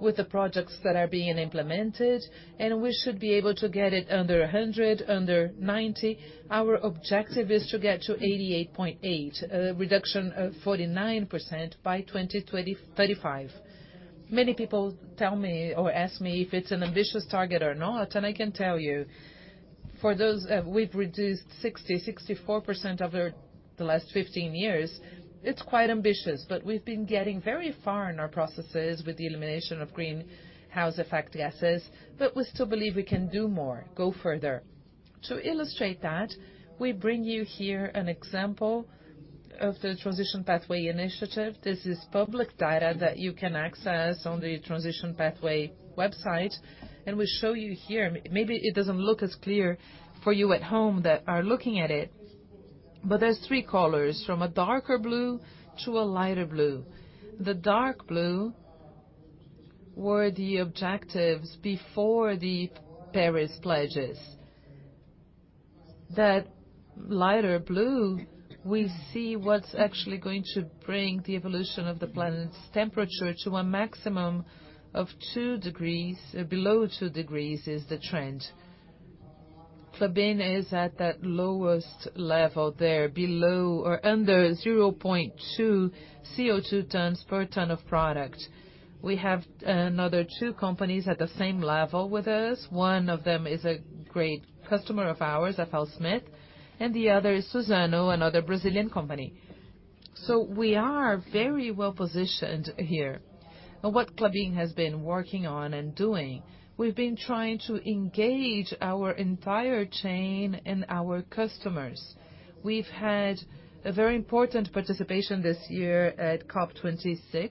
Speaker 6: with the projects that are being implemented, and we should be able to get it under 100 kg, under 90 kg. Our objective is to get to 88.8 kg, reduction of 49% by 2035. Many people tell me or ask me if it's an ambitious target or not, and I can tell you, for those, we've reduced 64% over the last 15 years. It's quite ambitious, but we've been getting very far in our processes with the elimination of greenhouse gases. We still believe we can do more, go further. To illustrate that, we bring you here an example of the Transition Pathway Initiative. This is public data that you can access on the Transition Pathway website, and we show you here. Maybe it doesn't look as clear for you at home that are looking at it, but there's three colors, from a darker blue to a lighter blue. The dark blue were the objectives before the Paris pledges. That lighter blue, we see what's actually going to bring the evolution of the planet's temperature to a maximum of 2 degrees. Below 2 degrees is the trend. Klabin is at that lowest level there, below or under 0.2 CO2 tons per ton of product. We have another 2 companies at the same level with us. One of them is a great customer of ours, FLSmidth, and the other is Suzano, another Brazilian company. We are very well-positioned here. What Klabin has been working on and doing, we've been trying to engage our entire chain and our customers. We've had a very important participation this year at COP26.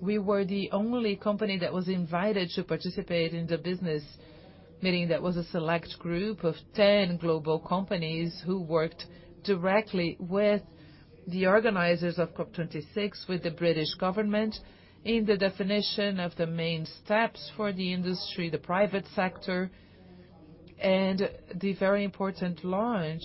Speaker 6: We were the only company that was invited to participate in the business meeting. That was a select group of 10 global companies, who worked directly with the organizers of COP26, with the British government, in the definition of the main steps for the industry, the private sector. The very important launch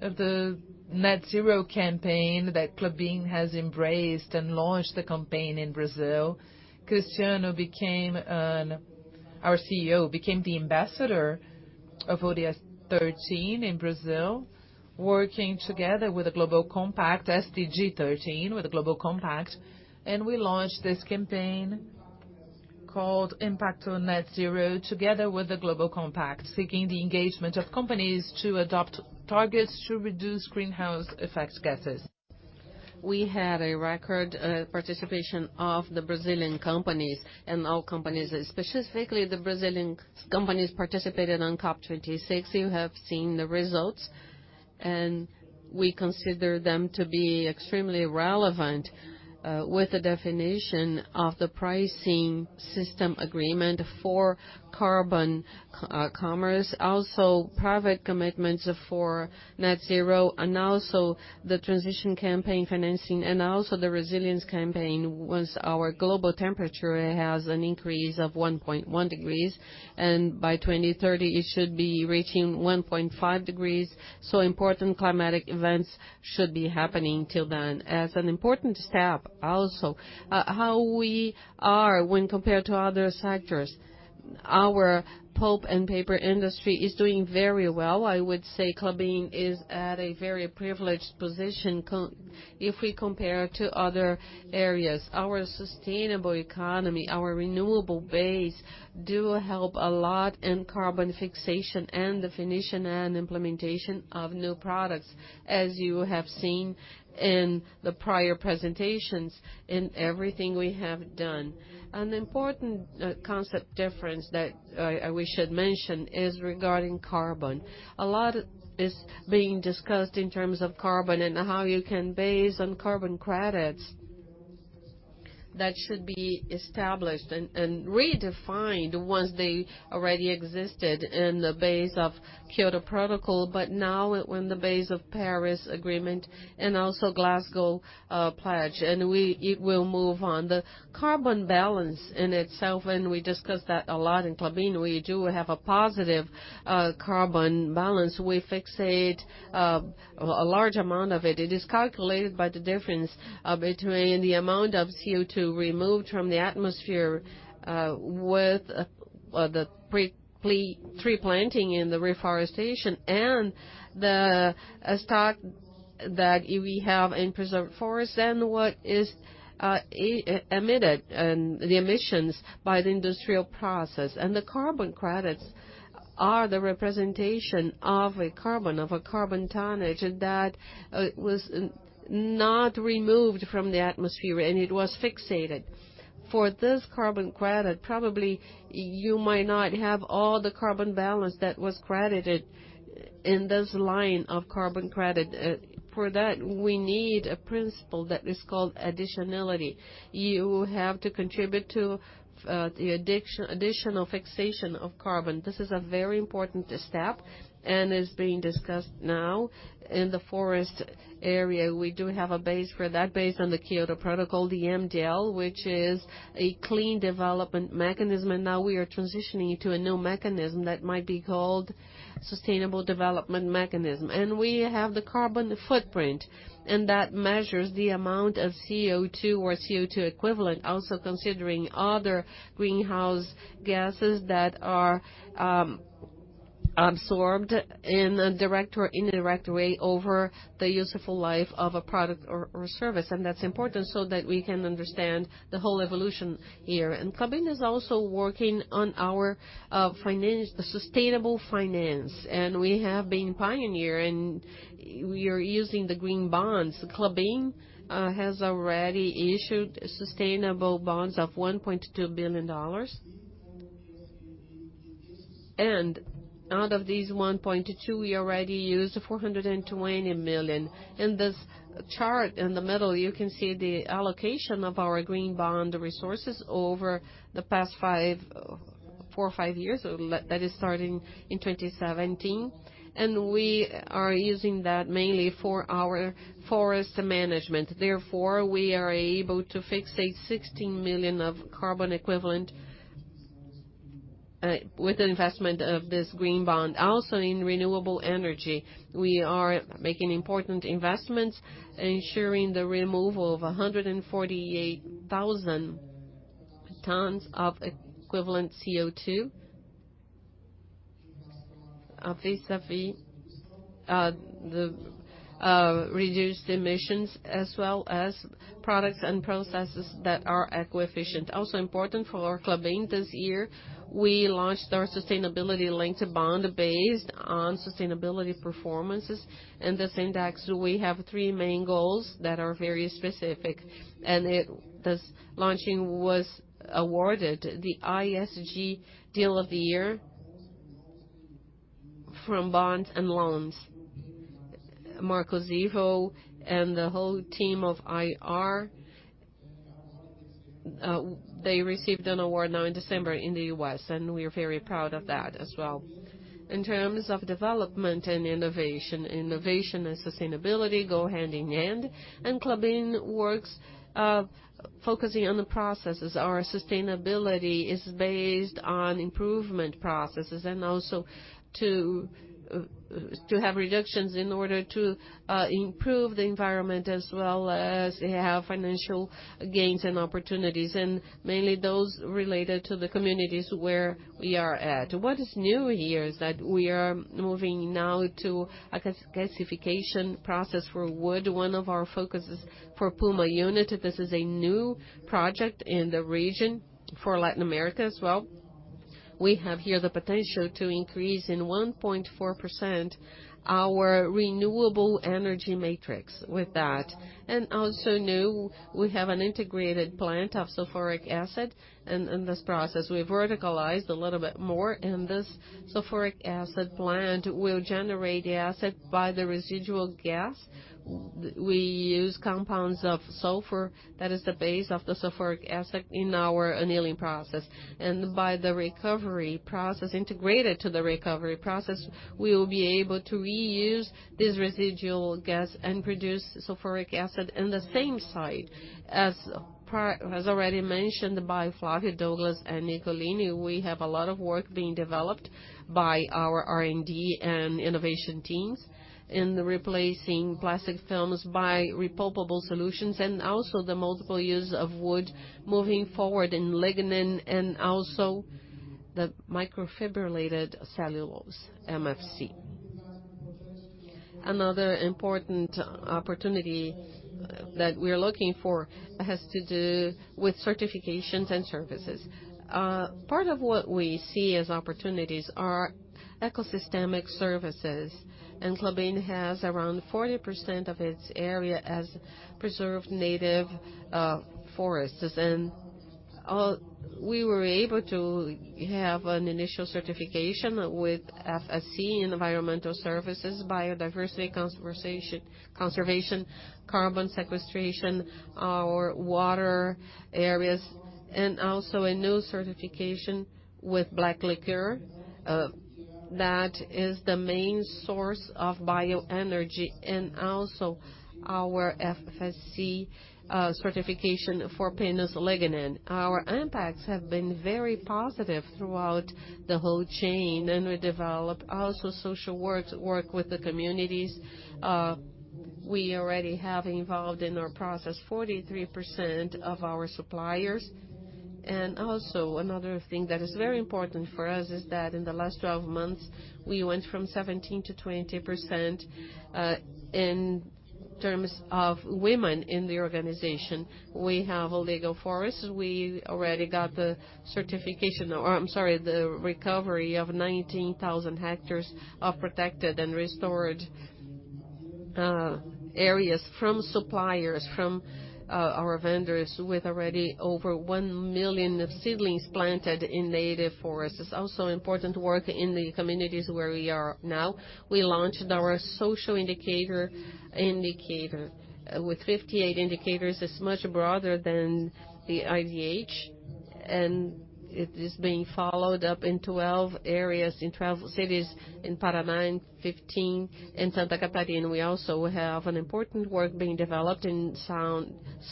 Speaker 6: of the net zero campaign that Klabin has embraced and launched the campaign in Brazil. Cristiano, our CEO, became the ambassador of SDG 13 in Brazil, working together with the Global Compact, SDG 13 with the Global Compact. We launched this campaign called ImPacto NetZero, together with the Global Compact, seeking the engagement of companies to adopt targets to reduce greenhouse gases. We had a record participation of the Brazilian companies and all companies, specifically the Brazilian companies participated on COP26. You have seen the results, and we consider them to be extremely relevant, with the definition of the pricing system agreement for carbon e-commerce. Also private commitments for net zero, and also the transition campaign financing, and also the resilience campaign, once our global temperature has an increase of 1.1 degrees, and by 2030 it should be reaching 1.5 degrees. Important climatic events should be happening till then. As an important step also, how we are when compared to other sectors. Our Pulp and Paper industry is doing very well. I would say Klabin is at a very privileged position if we compare to other areas. Our sustainable economy, our renewable base, do help a lot in carbon fixation and definition and implementation of new products, as you have seen in the prior presentations in everything we have done. An important concept difference that we should mention is regarding carbon. A lot is being discussed in terms of carbon and how you can base on carbon credits. That should be established and redefined once they already existed in the base of Kyoto Protocol, but now in the base of Paris Agreement and also Glasgow Pledge. It will move on. The carbon balance in itself, and we discussed that a lot in Klabin, we do have a positive carbon balance. We fixate a large amount of it. It is calculated by the difference between the amount of CO2 removed from the atmosphere with the tree planting and the reforestation and the stock that we have in preserved forest and what is emitted and the emissions by the industrial process. The carbon credits are the representation of a carbon, of a carbon tonnage that was not removed from the atmosphere, and it was fixated. For this carbon credit, probably you might not have all the carbon balance that was credited in this line of carbon credit. For that, we need a principle that is called additionality. You have to contribute to the additional fixation of carbon. This is a very important step and is being discussed now in the forest area. We do have a base for that based on the Kyoto Protocol, the MDL, which is a clean development mechanism. Now we are transitioning to a new mechanism that might be called Sustainable Development Mechanism. We have the carbon footprint, and that measures the amount of CO2 or CO2 equivalent, also considering other greenhouse gases that are absorbed in a direct or indirect way over the useful life of a product or service. That's important so that we can understand the whole evolution here. Klabin is also working on our sustainable finance, and we have been pioneer and we are using the green bonds. Klabin has already issued sustainable bonds of $1.2 billion. Out of these $1.2 billion, we already used $420 million. In this chart in the middle, you can see the allocation of our green bond resources over the past four or five years. That is starting in 2017. We are using that mainly for our forest management. Therefore, we are able to fixate 16 million of carbon equivalent with the investment of this green bond. Also in renewable energy, we are making important investments, ensuring the removal of 148,000 tons of equivalent CO2. Vis-à-vis the reduced emissions as well as products and processes that are eco-efficient. Also important for Klabin this year, we launched our sustainability-linked bond based on sustainability performances. In this index, we have three main goals that are very specific. This launching was awarded the IFR Deal of the Year from bonds and loans. Marcos Ivo and the whole team of IR they received an award now in December in the U.S., and we are very proud of that as well. In terms of development and innovation and sustainability go hand in hand, and Klabin works focusing on the processes. Our sustainability is based on improvement processes and also to have reductions in order to improve the environment as well as have financial gains and opportunities, and mainly those related to the communities where we are at. What is new here is that we are moving now to a gasification process for wood. One of our focuses for Puma Unit, this is a new project in the region for Latin America as well. We have here the potential to increase in 1.4% our renewable energy matrix with that. Also new, we have an integrated plant of sulfuric acid. In this process, we verticalized a little bit more, and this sulfuric acid plant will generate acid by the residual gas. We use compounds of sulfur, that is the base of the sulfuric acid in our annealing process. By the recovery process, integrated to the recovery process, we will be able to reuse this residual gas and produce sulfuric acid in the same site. As already mentioned by Flávio, Douglas and Nicolini, we have a lot of work being developed by our R&D and innovation teams in replacing plastic films by repulpable solutions and also the multiple use of wood moving forward in lignin and also the microfibrillated cellulose, MFC. Another important opportunity that we're looking for has to do with certifications and services. Part of what we see as opportunities are ecosystemic services, and Klabin has around 40% of its area as preserved native forests. We were able to have an initial certification with FSC environmental services, biodiversity conservation, carbon sequestration, our water areas, and also a new certification with black liquor. That is the main source of bioenergy and also our FSC certification for pinus lignin. Our impacts have been very positive throughout the whole chain, and we develop also social works, work with the communities. We already have involved in our process 43% of our suppliers. Also another thing that is very important for us is that in the last 12 months, we went from 17%-20% in terms of women in the organization. We have legal forests. We already got the recovery of 19,000 hectares of protected and restored areas from suppliers, from our vendors with already over 1 million seedlings planted in native forests. Also important work in the communities where we are now. We launched our social indicator. With 58 indicators, it's much broader than the IDH, and it is being followed up in 12 areas, in 12 cities. In Paraná, in 15. In Santa Catarina, we also have an important work being developed in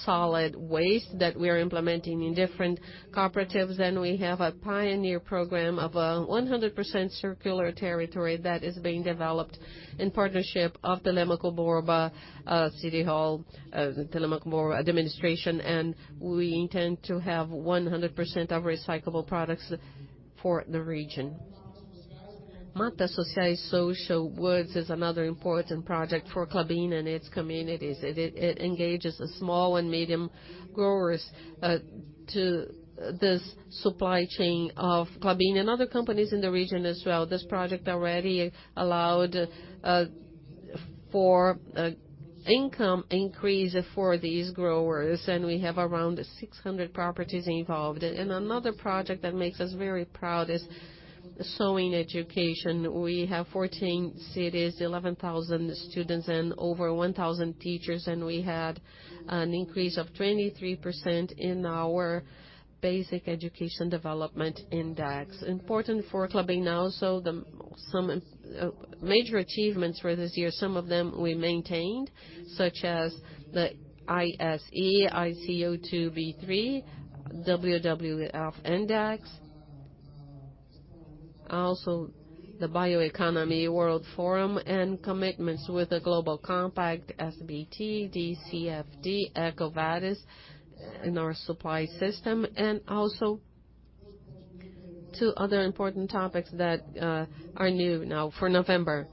Speaker 6: solid waste that we are implementing in different cooperatives. We have a pioneer program of a 100% circular territory that is being developed in partnership of the Telêmaco Borba City Hall, Telêmaco Borba administration, and we intend to have 100% of recyclable products for the region. Matas Sociais is another important project for Klabin and its communities. It engages the small and medium growers to this supply chain of Klabin and other companies in the region as well. This project already allowed for income increase for these growers, and we have around 600 properties involved. Another project that makes us very proud is sewing education. We have 14 cities, 11,000 students and over 1,000 teachers, and we had a 23% increase in our basic education development index. Important for Klabin also some major achievements for this year, some of them we maintained, such as the ISE, ICO2 B3, WWF index. Also the World BioEconomy Forum and commitments with the Global Compact, SBT, TCFD, EcoVadis in our supply system. Two other important topics that are new now for November.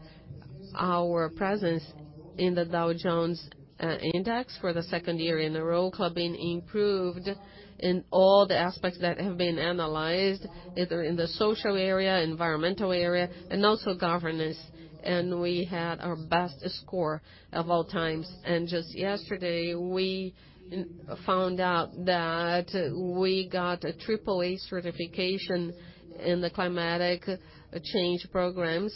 Speaker 6: Our presence in the Dow Jones Index for the second year in a row, Klabin improved in all the aspects that have been analyzed, either in the social area, environmental area, and also governance. We had our best score of all time. Just yesterday, we found out that we got a triple A certification in the climate change programs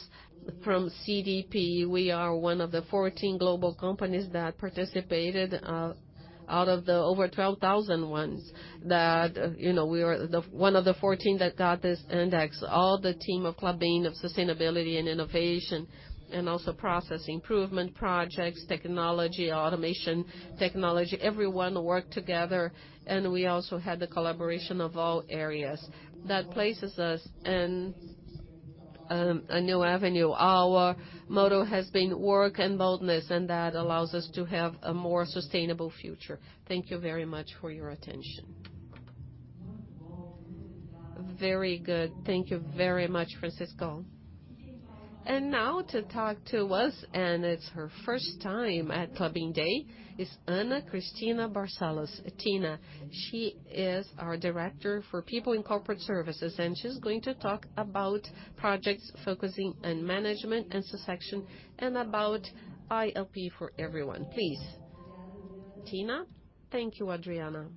Speaker 6: from CDP. We are one of the 14 global companies that participated. Out of the over 12,000 that, you know, we are one of the 14 that got this index. All the team of Klabin, of sustainability and innovation, and also process improvement projects, technology, automation technology, everyone worked together, and we also had the collaboration of all areas. That places us in a new avenue. Our motto has been work and boldness, and that allows us to have a more sustainable future. Thank you very much for your attention.
Speaker 1: Very good. Thank you very much, Francisco. Now to talk to us, and it's her first time at Klabin Day, is Ana Cristina Barcellos, Tina. She is our director for People and Corporate Services, and she's going to talk about projects focusing on management and succession and about ILP for everyone. Please, Tina.
Speaker 7: Thank you, Adriana.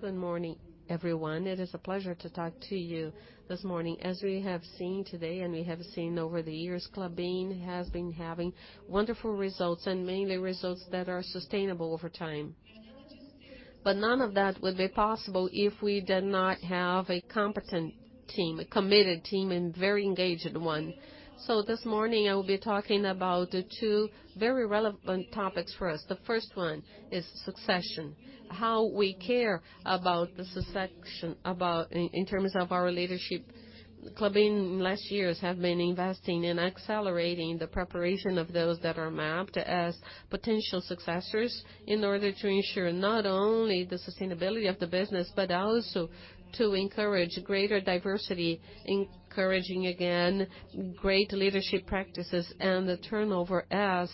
Speaker 7: Good morning, everyone. It is a pleasure to talk to you this morning. As we have seen today and we have seen over the years, Klabin has been having wonderful results and mainly results that are sustainable over time. None of that would be possible if we did not have a competent team, a committed team and very engaged one. This morning I will be talking about the two very relevant topics for us. The first one is succession, how we care about the succession, about in terms of our leadership. Klabin in last years have been investing in accelerating the preparation of those that are mapped as potential successors in order to ensure not only the sustainability of the business, but also to encourage greater diversity, encouraging again great leadership practices and the turnover as,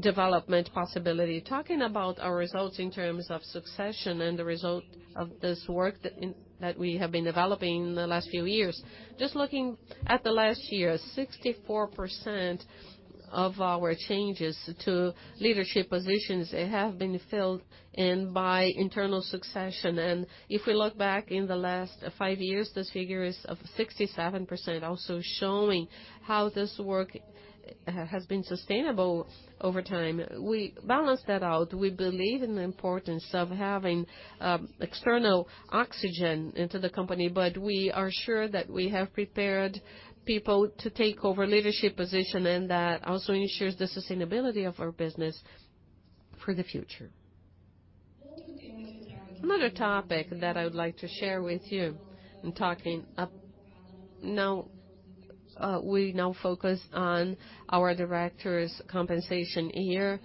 Speaker 7: development possibility. Talking about our results in terms of succession and the result of this work that we have been developing in the last few years, just looking at the last year, 64% of our changes to leadership positions have been filled in by internal succession. If we look back in the last five years, this figure is of 67%, also showing how this work has been sustainable over time. We balance that out. We believe in the importance of having external oxygen into the company, but we are sure that we have prepared people to take over leadership position and that also ensures the sustainability of our business for the future. Another topic that I would like to share with you. Now we focus on our directors' compensation. Here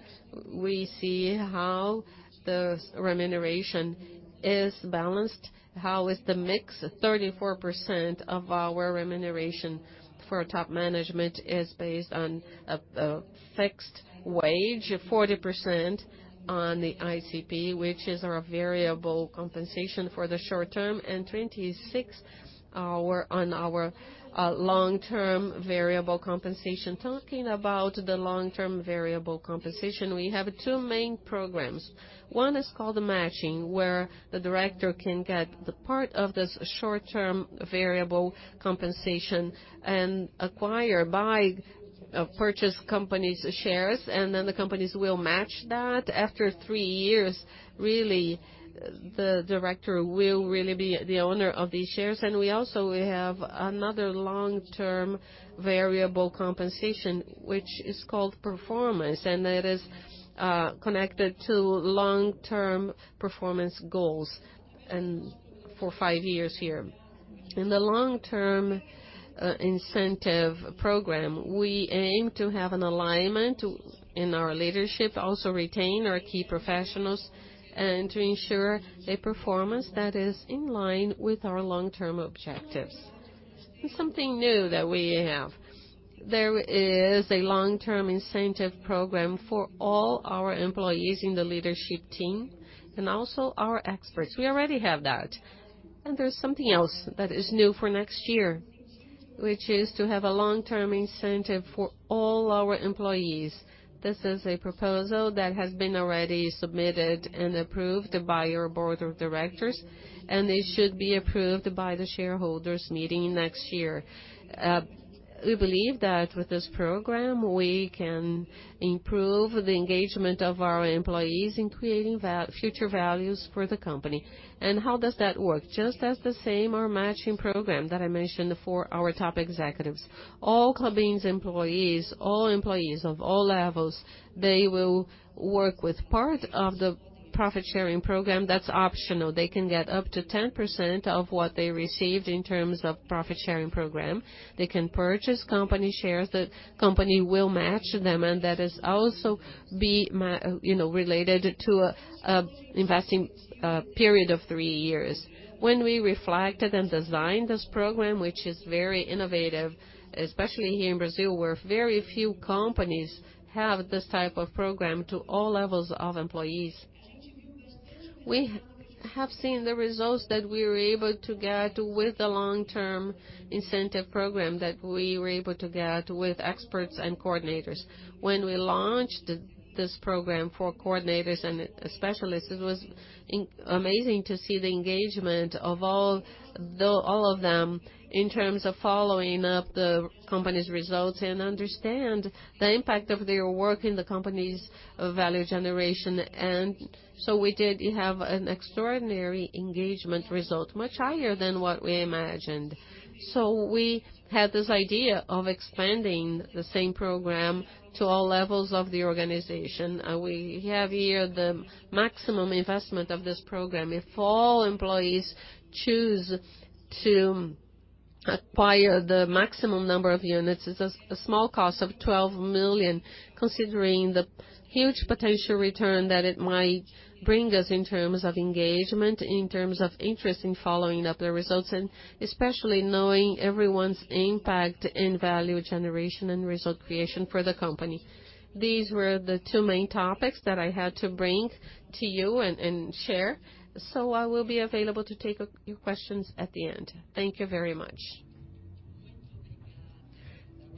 Speaker 7: we see how the remuneration is balanced, how is the mix. 34% of our remuneration for top management is based on a fixed wage, 40% on the ICP, which is our variable compensation for the short term, and 26% on our long-term variable compensation. Talking about the long-term variable compensation, we have two main programs. One is called the matching, where the director can get the part of this short-term variable compensation and acquire by purchase company's shares, and then the companies will match that. After three years, really, the director will really be the owner of these shares. We also have another long-term variable compensation, which is called performance, and that is connected to long-term performance goals and for five years here. In the long-term incentive program, we aim to have an alignment in our leadership, also retain our key professionals and to ensure a performance that is in line with our long-term objectives. Something new that we have. There is a long-term incentive program for all our employees in the leadership team and also our experts. We already have that. There's something else that is new for next year, which is to have a long-term incentive for all our employees. This is a proposal that has been already submitted and approved by our board of directors, and it should be approved by the shareholders meeting next year. We believe that with this program, we can improve the engagement of our employees in creating future values for the company. How does that work? Just as the same, our matching program that I mentioned for our top executives, all Klabin employees, all employees of all levels, they will work with part of the profit-sharing program that's optional. They can get up to 10% of what they received in terms of profit-sharing program. They can purchase company shares. The company will match them, and that is also you know, related to a investing period of three years. When we reflected and designed this program, which is very innovative, especially here in Brazil, where very few companies have this type of program to all levels of employees. We have seen the results that we were able to get with the long-term incentive program that we were able to get with experts and coordinators. When we launched this program for coordinators and specialists, it was amazing to see the engagement of all of them in terms of following up the company's results and understand the impact of their work in the company's value generation. We did have an extraordinary engagement result, much higher than what we imagined. We had this idea of expanding the same program to all levels of the organization. We have here the maximum investment of this program. If all employees choose to acquire the maximum number of units, it's a small cost of 12 million, considering the huge potential return that it might bring us in terms of engagement, in terms of interest in following up the results and especially knowing everyone's impact in value generation and result creation for the company. These were the two main topics that I had to bring to you and share, so I will be available to take your questions at the end. Thank you very much.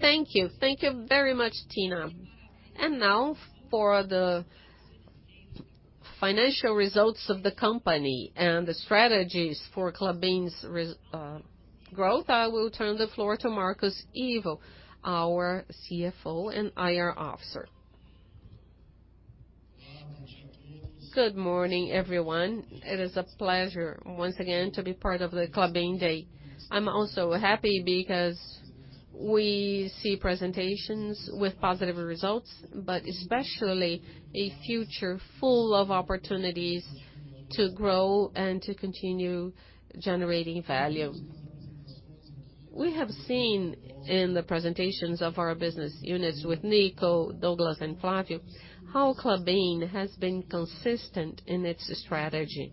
Speaker 1: Thank you. Thank you very much, Tina. Now for the financial results of the company and the strategies for Klabin's growth, I will turn the floor to Marcos Ivo, our CFO and IR officer.
Speaker 8: Good morning, everyone. It is a pleasure once again to be part of the Klabin Day. I'm also happy because we see presentations with positive results, but especially a future full of opportunities to grow and to continue generating value. We have seen in the presentations of our business units with Nico, Douglas and Flavio, how Klabin has been consistent in its strategy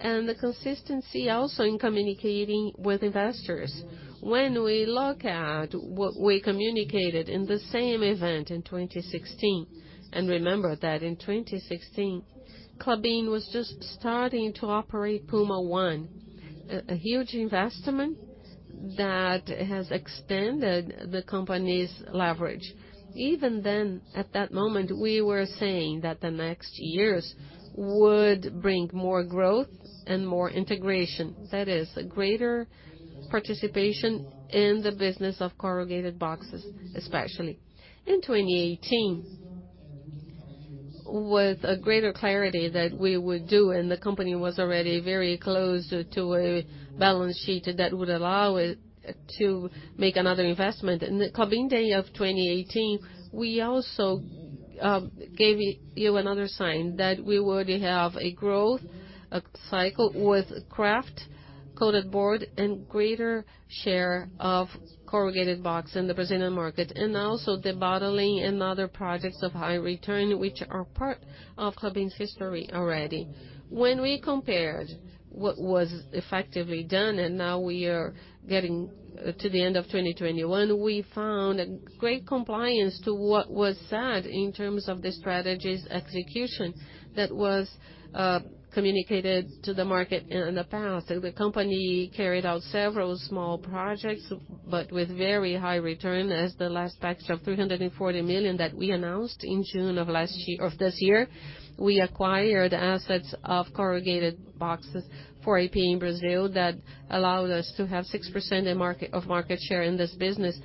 Speaker 8: and the consistency also in communicating with investors. When we look at what we communicated in the same event in 2016, and remember that in 2016, Klabin was just starting to operate Puma I, a huge investment that has extended the company's leverage. Even then, at that moment, we were saying that the next years would bring more growth and more integration. That is a greater participation in the business of corrugated boxes, especially. In 2018, with a greater clarity that we would do and the company was already very close to a balance sheet that would allow it to make another investment. In the Klabin Day of 2018, we also gave you another sign that we would have a growth, a cycle with kraft coated board and greater share of corrugated box in the Brazilian market, and also debottlenecking and other projects of high return, which are part of Klabin's history already. When we compared what was effectively done, and now we are getting to the end of 2021, we found a great compliance to what was said in terms of the strategy's execution that was communicated to the market in the past. The company carried out several small projects, but with very high return as the last batch of 340 million that we announced in June of this year. We acquired assets of corrugated boxes for AP in Brazil that allowed us to have 6% of market share in this business,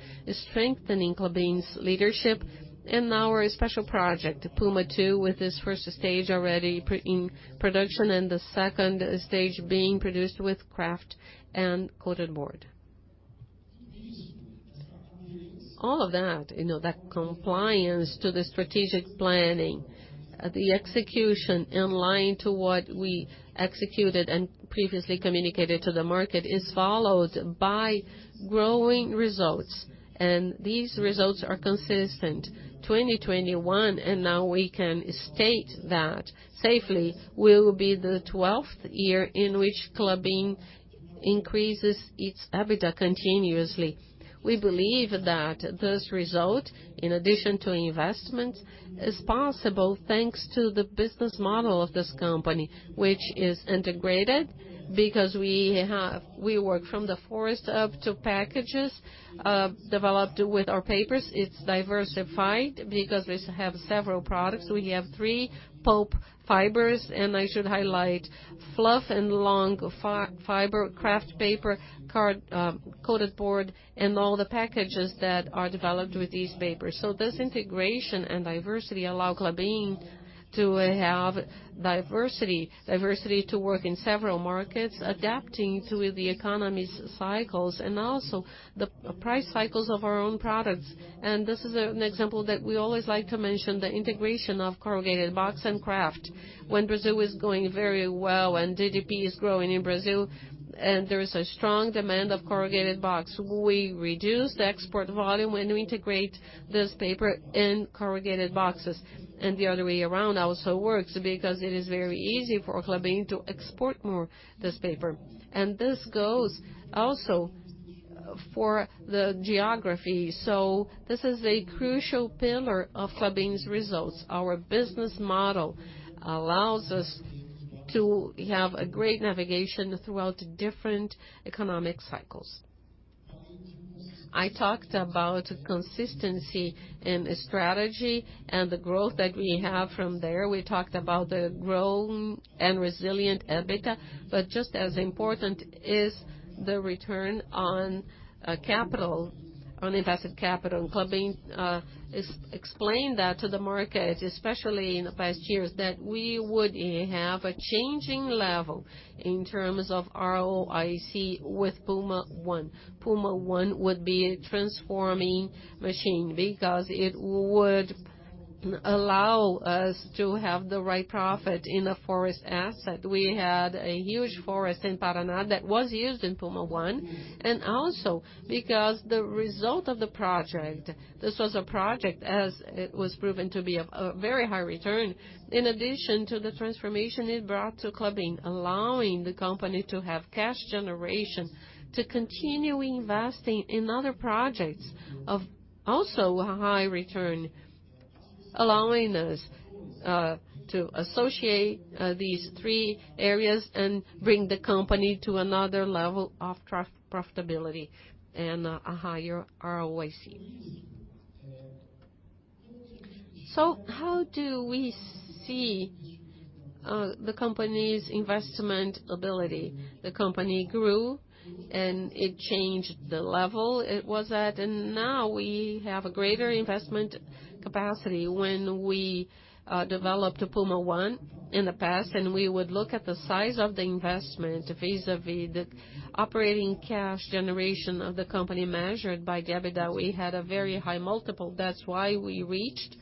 Speaker 8: strengthening Klabin's leadership and now a special project, Puma II, with this first stage already in production and the second stage being produced with kraft and coated board. All of that, you know, that compliance to the strategic planning, the execution in line to what we executed and previously communicated to the market, is followed by growing results, and these results are consistent. 2021, now we can state that safely will be the twelfth year in which Klabin increases its EBITDA continuously. We believe that this result, in addition to investment, is possible thanks to the business model of this company, which is integrated because we work from the forest up to packages developed with our papers. It's diversified because we have several products. We have three pulp fibers, and I should highlight fluff and long fiber, kraft paper, card, coated board, and all the packages that are developed with these papers. This integration and diversity allow Klabin to have diversity to work in several markets, adapting to the economy's cycles and also the price cycles of our own products. This is an example that we always like to mention, the integration of corrugated box and kraft. When Brazil is going very well and GDP is growing in Brazil, and there is a strong demand of corrugated box, we reduce the export volume and we integrate this paper in corrugated boxes. The other way around also works because it is very easy for Klabin to export more this paper. This goes also for the geography. This is a crucial pillar of Klabin's results. Our business model allows us to have a great navigation throughout different economic cycles. I talked about consistency in the strategy and the growth that we have from there. We talked about the growth and resilient EBITDA, but just as important is the return on capital, on invested capital. Klabin explained that to the market, especially in the past years, that we would have a changing level in terms of ROIC with Puma I. Puma I would be a transforming machine because it would allow us to have the right profile in a forest asset. We had a huge forest in Paraná that was used in Puma I, and also because the result of the project, this was a project as it was proven to be a very high return. In addition to the transformation it brought to Klabin, allowing the company to have cash generation to continue investing in other projects of also a high return, allowing us to associate these three areas and bring the company to another level of profitability and a higher ROIC. How do we see the company's investment ability? The company grew, and it changed the level it was at, and now we have a greater investment capacity. When we developed Puma I in the past, and we would look at the size of the investment vis-à-vis the operating cash generation of the company measured by EBITDA, we had a very high multiple. That's why we reached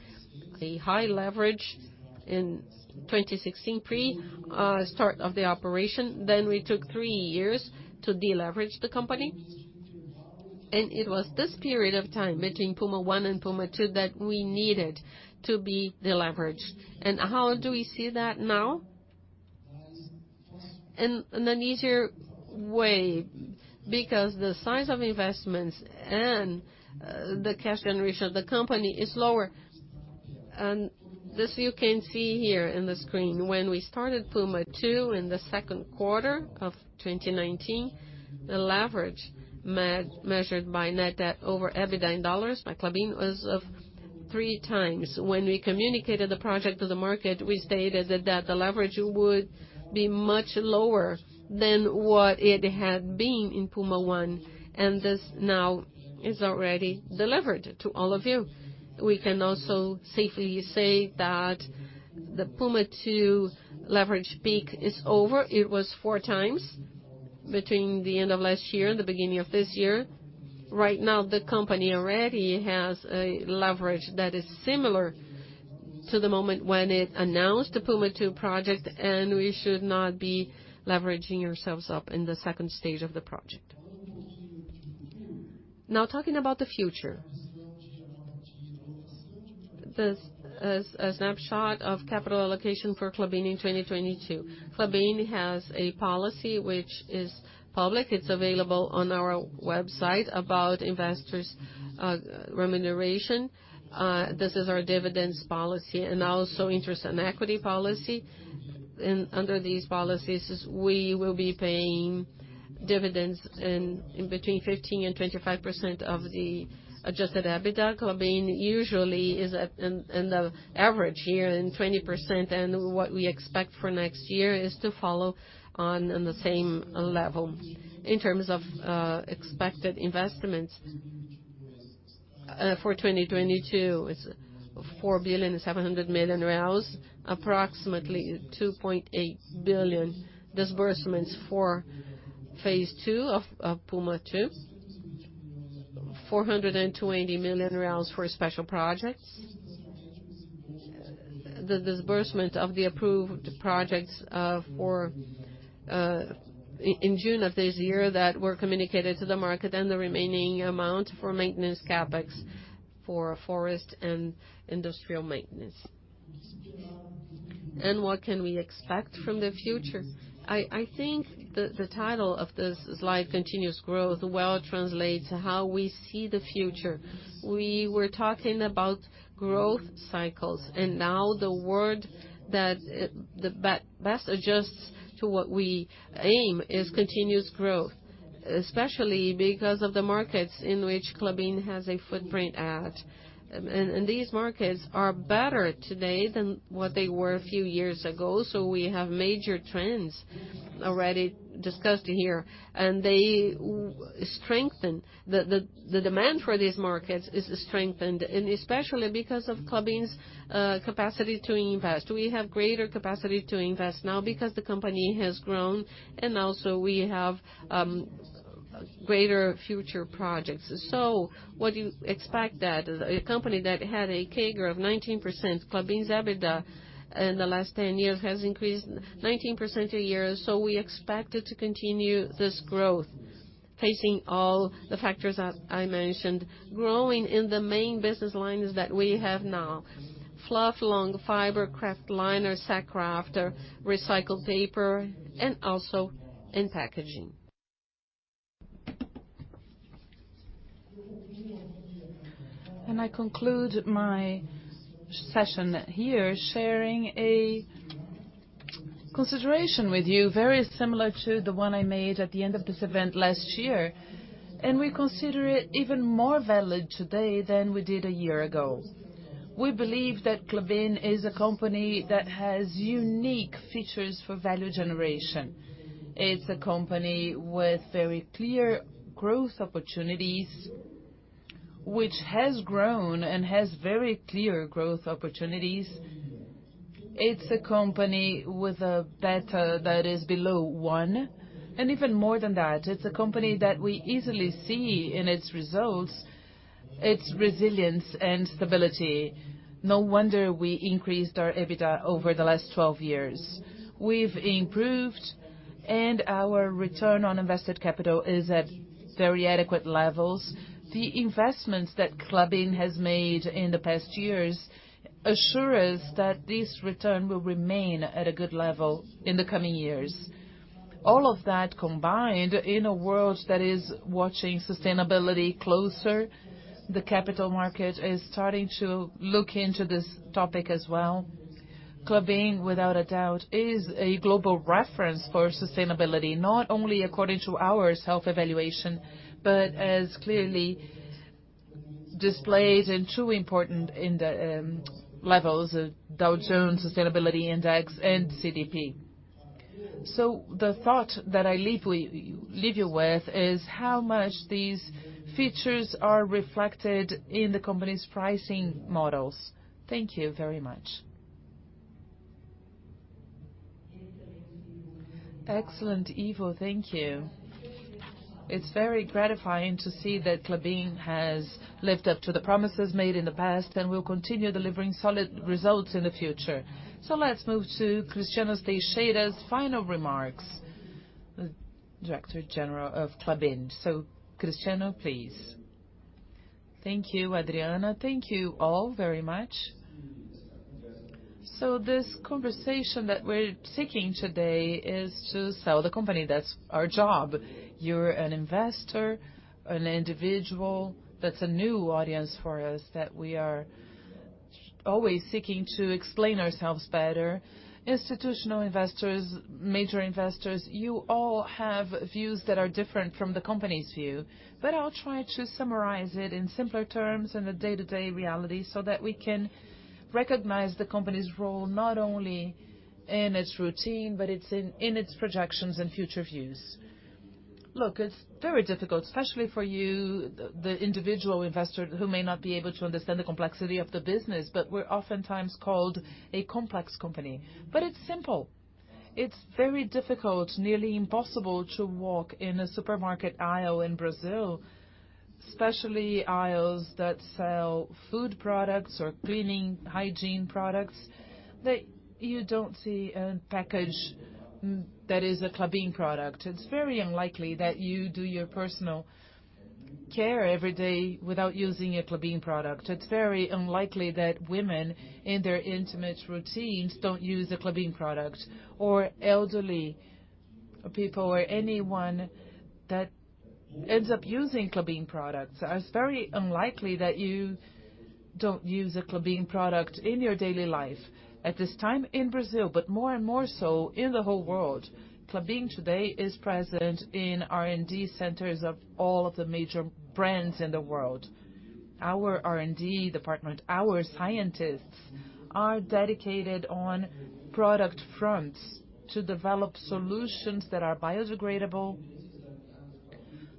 Speaker 8: the high leverage in 2016 pre-start of the operation. We took three years to deleverage the company. It was this period of time between Puma I and Puma II that we needed to be deleveraged. How do we see that now? In an easier way because the size of investments and the cash generation of the company is lower. This you can see here in the screen. When we started Puma II in the second quarter of 2019, the leverage, measured by net debt over EBITDA in dollars by Klabin, was 3x. When we communicated the project to the market, we stated that the leverage would be much lower than what it had been in Puma I, and this now is already delivered to all of you. We can also safely say that the Puma II leverage peak is over. It was 4x between the end of last year and the beginning of this year. Right now, the company already has a leverage that is similar to the moment when it announced the Puma II project, and we should not be leveraging ourselves up in the second stage of the project. Now talking about the future. This is a snapshot of capital allocation for Klabin in 2022. Klabin has a policy which is public. It's available on our website about investors' remuneration. This is our dividends policy and also interest and equity policy. Under these policies we will be paying dividends in between 15%-25% of the adjusted EBITDA. Klabin usually is at, in the average year, 20%, and what we expect for next year is to follow on the same level. In terms of expected investments for 2022, it's 4.7 billion, approximately 2.8 billion disbursements for phase II of Puma II. BRL 420 million for special projects. The disbursement of the approved projects in June of this year that were communicated to the market and the remaining amount for maintenance CapEx for forest and industrial maintenance. What can we expect from the future? I think the title of this slide, Continuous Growth, well translates how we see the future. We were talking about growth cycles, and now the word that best adjusts to what we aim is continuous growth, especially because of the markets in which Klabin has a footprint in. These markets are better today than what they were a few years ago. We have major trends already discussed here, and they strengthen the demand for these markets is strengthened, and especially because of Klabin's capacity to invest. We have greater capacity to invest now because the company has grown and also we have greater future projects. What do you expect that a company that had a CAGR of 19%, Klabin's EBITDA in the last 10 years has increased 19% a year? We expect it to continue this growth facing all the factors that I mentioned, growing in the main business lines that we have now: fluff, long fiber, kraftliner, sack kraft, recycled paper, and also in packaging. I conclude my session here sharing a consideration with you, very similar to the one I made at the end of this event last year, and we consider it even more valid today than we did a year ago. We believe that Klabin is a company that has unique features for value generation. It's a company with very clear growth opportunities, which has grown and has very clear growth opportunities. It's a company with a beta that is below 1. Even more than that, it's a company that we easily see in its results, its resilience and stability. No wonder we increased our EBITDA over the last 12 years. We've improved, and our return on invested capital is at very adequate levels. The investments that Klabin has made in the past years assure us that this return will remain at a good level in the coming years. All of that combined in a world that is watching sustainability closer, the capital market is starting to look into this topic as well. Klabin, without a doubt, is a global reference for sustainability, not only according to our self-evaluation, but as clearly displayed and too important in the levels of Dow Jones Sustainability Index and CDP. The thought that I leave you with is how much these features are reflected in the company's pricing models. Thank you very much.
Speaker 1: Excellent, Ivo. Thank you. It's very gratifying to see that Klabin has lived up to the promises made in the past and will continue delivering solid results in the future. Let's move to Cristiano Teixeira's final remarks, the Director General of Klabin. Cristiano, please.
Speaker 2: Thank you, Adriana. Thank you all very much. This conversation that we're seeking today is to sell the company. That's our job. You're an investor, an individual. That's a new audience for us that we are always seeking to explain ourselves better. Institutional investors, major investors, you all have views that are different from the company's view. I'll try to summarize it in simpler terms in the day-to-day reality, so that we can recognize the company's role, not only in its routine, but it's in its projections and future views. Look, it's very difficult, especially for you, the individual investor, who may not be able to understand the complexity of the business, but we're oftentimes called a complex company. It's simple. It's very difficult, nearly impossible to walk in a supermarket aisle in Brazil, especially aisles that sell food products or cleaning hygiene products, that you don't see a package that is a Klabin product. It's very unlikely that you do your personal care every day without using a Klabin product. It's very unlikely that women in their intimate routines don't use a Klabin product, or elderly people or anyone that ends up using Klabin products. It's very unlikely that you don't use a Klabin product in your daily life. At this time in Brazil, but more and more so in the whole world, Klabin today is present in R&D centers of all of the major brands in the world. Our R&D department, our scientists are dedicated on product fronts to develop solutions that are biodegradable.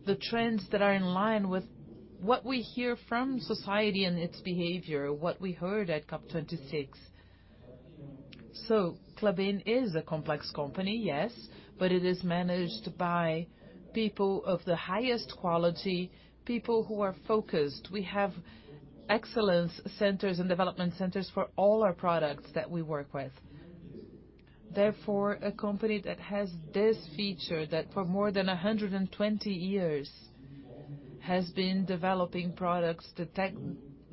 Speaker 2: The trends that are in line with what we hear from society and its behavior, what we heard at COP26. Klabin is a complex company, yes, but it is managed by people of the highest quality, people who are focused. We have excellence centers and development centers for all our products that we work with. Therefore, a company that has this feature that for more than 120 years has been developing products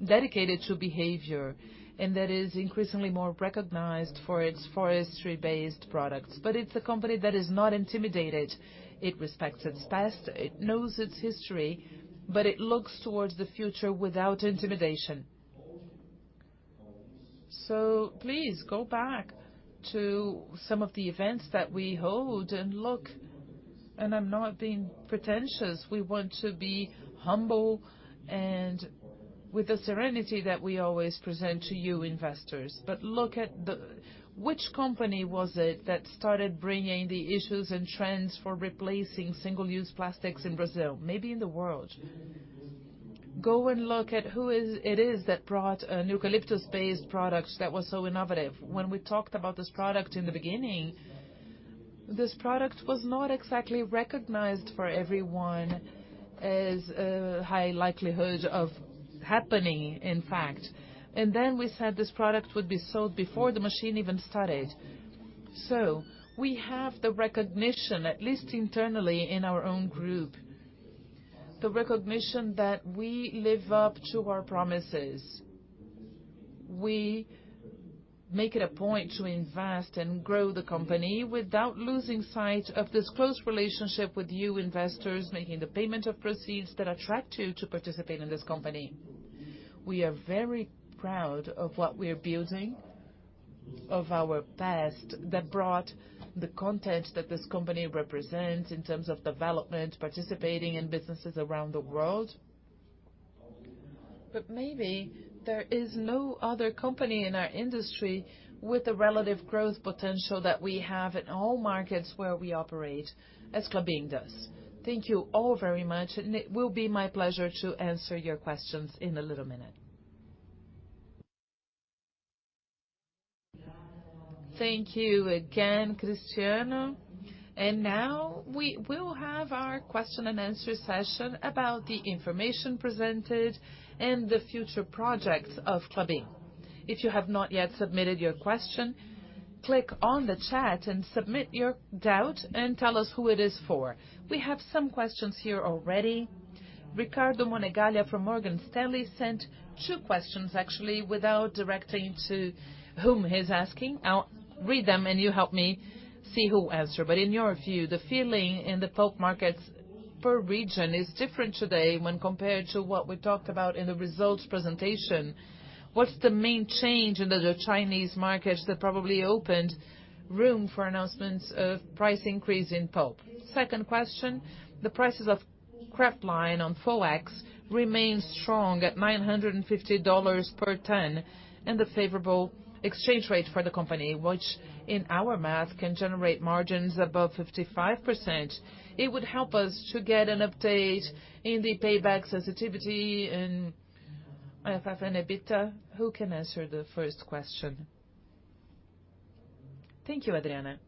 Speaker 2: dedicated to behavior and that is increasingly more recognized for its forestry-based products. It's a company that is not intimidated. It respects its past, it knows its history, but it looks towards the future without intimidation. Please go back to some of the events that we hold and look. I'm not being pretentious. We want to be humble and with the serenity that we always present to you investors. Look at the. Which company was it that started bringing the issues and trends for replacing single-use plastics in Brazil, maybe in the world? Go and look at who it is that brought an eucalyptus-based product that was so innovative. When we talked about this product in the beginning, this product was not exactly recognized for everyone as a high likelihood of happening, in fact. Then we said this product would be sold before the machine even started. We have the recognition, at least internally in our own group, the recognition that we live up to our promises. We make it a point to invest and grow the company without losing sight of this close relationship with you investors, making the payment of proceeds that attract you to participate in this company. We are very proud of what we're building, of our past that brought the content that this company represents in terms of development, participating in businesses around the world. Maybe there is no other company in our industry with the relative growth potential that we have in all markets where we operate as Klabin does. Thank you all very much, and it will be my pleasure to answer your questions in a little minute.
Speaker 1: Thank you again, Cristiano. Now we will have our question and answer session about the information presented and the future projects of Klabin. If you have not yet submitted your question, click on the chat and submit your doubt and tell us who it is for. We have some questions here already. Ricardo Monegaglia from Morgan Stanley sent two questions actually, without directing to whom he's asking. I'll read them and you help me see who answer. In your view, the feeling in the Pulp markets per region is different today when compared to what we talked about in the results presentation. What's the main change in the Chinese market that probably opened room for announcements of price increase in Pulp? Second question, the prices of kraftliner on FOEX remain strong at $950 per ton, and the favorable exchange rate for the company, which in our math can generate margins above 55%. It would help us to get an update in the payback sensitivity and effect on EBITDA. Who can answer the first question?
Speaker 3: Thank you, Adriana.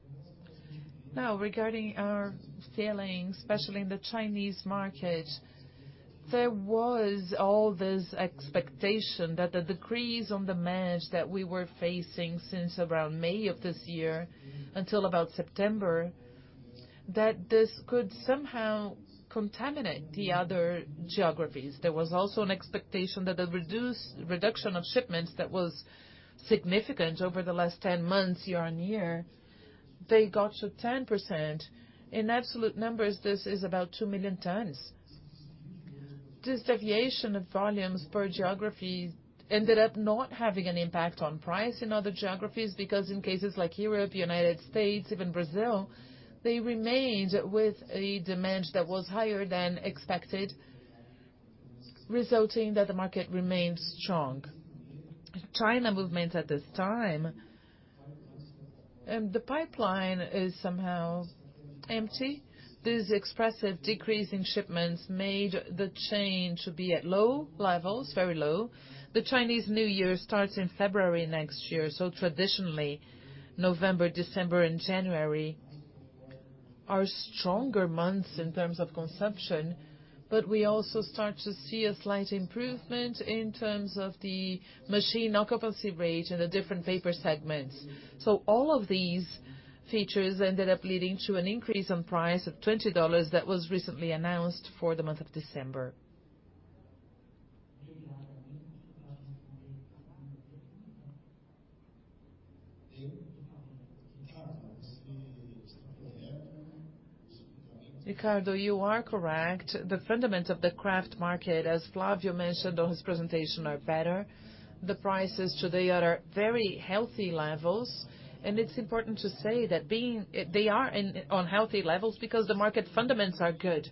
Speaker 3: Now regarding our feelings, especially in the Chinese market, there was all this expectation that the decrease in demand that we were facing since around May of this year until about September, that this could somehow contaminate the other geographies. There was also an expectation that the reduction of shipments that was significant over the last 10 months year-over-year, they got to 10%. In absolute numbers, this is about 2 million tons. This deviation of volumes per geography ended up not having an impact on price in other geographies, because in cases like Europe, United States, even Brazil, they remained with a demand that was higher than expected, resulting that the market remained strong. China movements at this time, the pipeline is somehow empty. This expressive decrease in shipments made the chain to be at low levels, very low. The Chinese New Year starts in February next year, so traditionally, November, December and January are stronger months in terms of consumption. But we also start to see a slight improvement in terms of the machine occupancy rate in the different paper segments. All of these features ended up leading to an increase in price of $20 that was recently announced for the month of December. Ricardo, you are correct. The fundamentals of the kraft market, as Flavio mentioned on his presentation, are better. The prices today are at very healthy levels, and it's important to say that they are on healthy levels because the market fundamentals are good.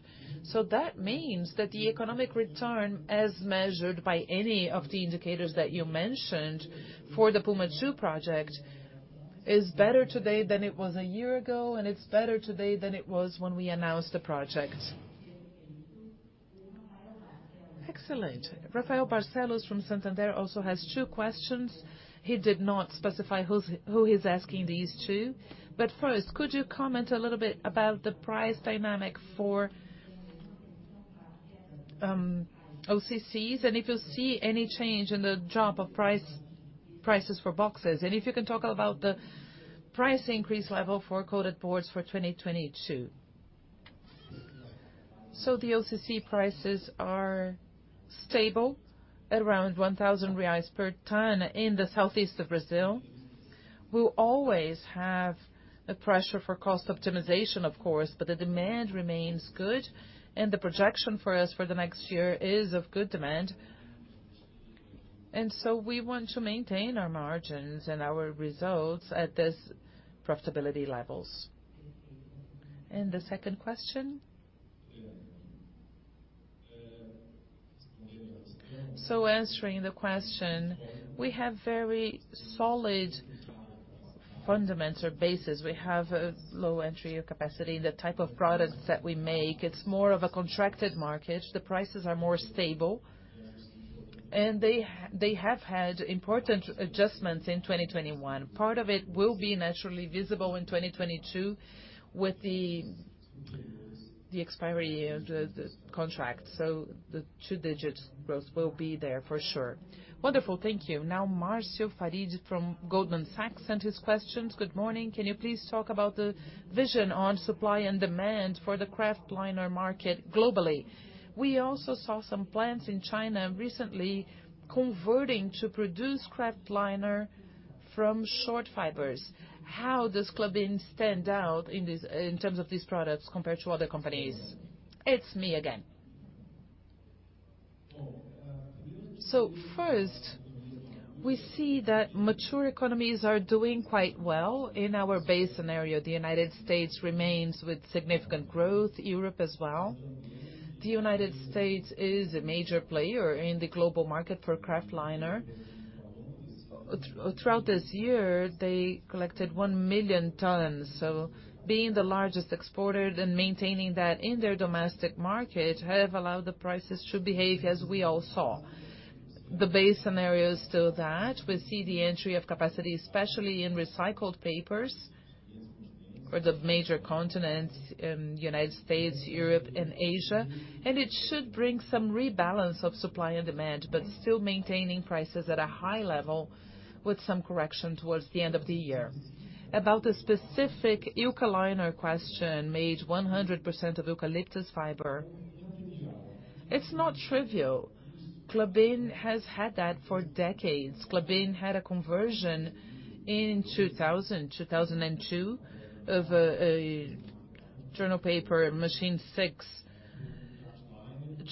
Speaker 3: That means that the economic return, as measured by any of the indicators that you mentioned for the Puma II project, is better today than it was a year ago, and it's better today than it was when we announced the project.
Speaker 1: Excellent. Rafael Barcellos from Santander also has two questions. He did not specify who he's asking these to. First, could you comment a little bit about the price dynamic for OCCs, and if you see any change in the drop in prices for boxes? And if you can talk about the price increase level for coated boards for 2022.
Speaker 8: The OCC prices are stable at around 1,000 reais per ton in the southeast of Brazil. We'll always have a pressure for cost optimization, of course, but the demand remains good and the projection for us for the next year is of good demand. We want to maintain our margins and our results at this profitability levels. The second question. Answering the question, we have very solid fundamental basis. We have a low entry capacity in the type of products that we make. It's more of a contracted market. The prices are more stable. They have had important adjustments in 2021. Part of it will be naturally visible in 2022 with the expiry of the contract. The two digits growth will be there for sure.
Speaker 1: Wonderful. Thank you. Now Marcio Farid from Goldman Sachs and his questions. Good morning. Can you please talk about the vision on supply and demand for the kraftliner market globally? We also saw some plants in China recently converting to produce kraftliner from short fibers. How does Klabin stand out in this, in terms of these products compared to other companies?
Speaker 5: It's me again. First, we see that mature economies are doing quite well. In our base scenario, the United States remains with significant growth, Europe as well. The United States is a major player in the global market for kraftliner. Throughout this year, they collected 1 million tons. Being the largest exporter and maintaining that in their domestic market have allowed the prices to behave as we all saw. The base scenario is still that. We see the entry of capacity, especially in recycled papers for the major continents in United States, Europe and Asia, and it should bring some rebalance of supply and demand, but still maintaining prices at a high level with some correction towards the end of the year. About the specific Eukaliner question, made 100% of eucalyptus fiber, it's not trivial. Klabin has had that for decades. Klabin had a conversion in 2002 of a journal paper Machine 6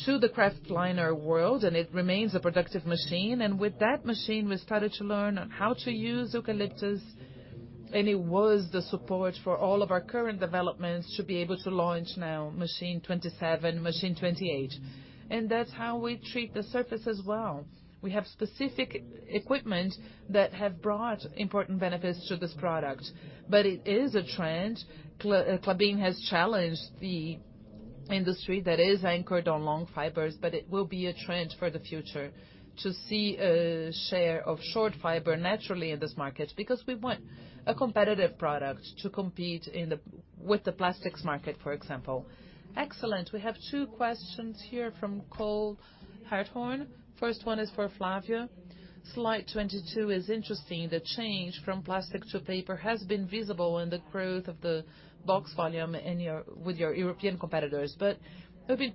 Speaker 5: to the kraftliner world, and it remains a productive machine. With that machine, we started to learn on how to use eucalyptus, and it was the support for all of our current developments to be able to launch now Machine 27, Machine 28. That's how we treat the surface as well. We have specific equipment that have brought important benefits to this product. It is a trend. Klabin has challenged the industry that is anchored on long fibers, it will be a trend for the future to see a share of short fiber naturally in this market because we want a competitive product to compete in with the plastics market, for example.
Speaker 1: Excellent. We have two questions here from Cole Hathorn. First one is for Flávio: Slide 22 is interesting. The change from plastic to paper has been visible in the growth of the box volume with your European competitors, it would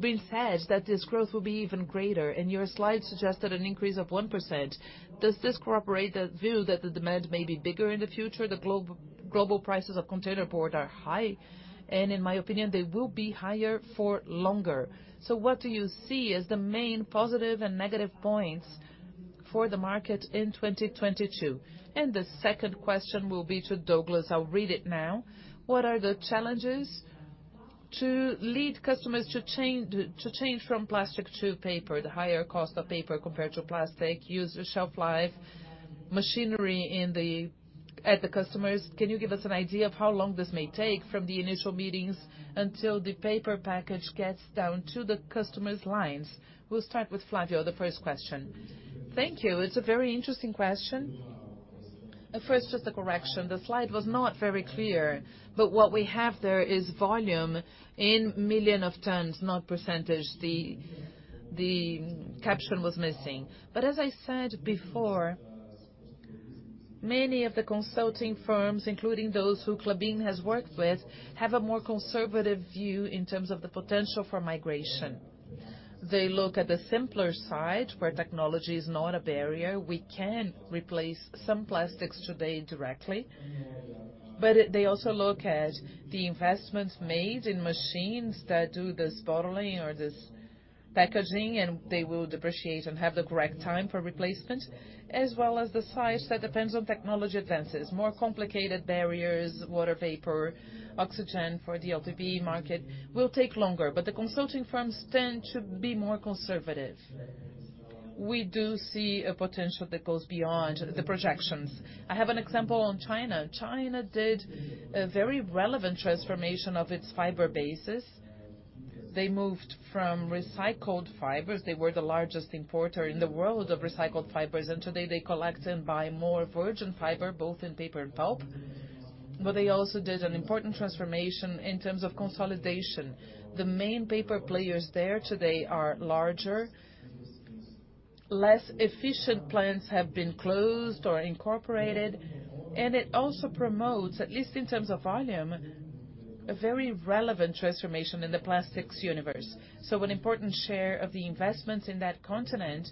Speaker 1: been said that this growth will be even greater, and your slide suggested an increase of 1%. Does this corroborate the view that the demand may be bigger in the future? Global prices of containerboard are high, and in my opinion, they will be higher for longer. What do you see as the main positive and negative points for the market in 2022? The second question will be to Douglas. I'll read it now. What are the challenges to lead customers to change from plastic to paper? The higher cost of paper compared to plastic, user shelf life, machinery at the customers. Can you give us an idea of how long this may take from the initial meetings until the paper package gets down to the customer's lines? We'll start with Flávio, the first question.
Speaker 4: Thank you. It's a very interesting question. First, just a correction. The slide was not very clear, but what we have there is volume in million tons, not percentage. The caption was missing. As I said before, many of the consulting firms, including those who Klabin has worked with, have a more conservative view in terms of the potential for migration. They look at the simpler side where technology is not a barrier. We can replace some plastics today directly, but they also look at the investments made in machines that do this bottling or this packaging, and they will depreciate and have the correct time for replacement, as well as the size that depends on technology advances. More complicated barriers, water vapor, oxygen for the LPB market will take longer, but the consulting firms tend to be more conservative. We do see a potential that goes beyond the projections. I have an example on China. China did a very relevant transformation of its fiber bases. They moved from recycled fibers. They were the largest importer in the world of recycled fibers, and today they collect and buy more virgin fiber, both in paper and pulp. They also did an important transformation in terms of consolidation. The main paper players there today are larger. Less efficient plants have been closed or incorporated, and it also promotes, at least in terms of volume, a very relevant transformation in the plastics universe. An important share of the investments in that continent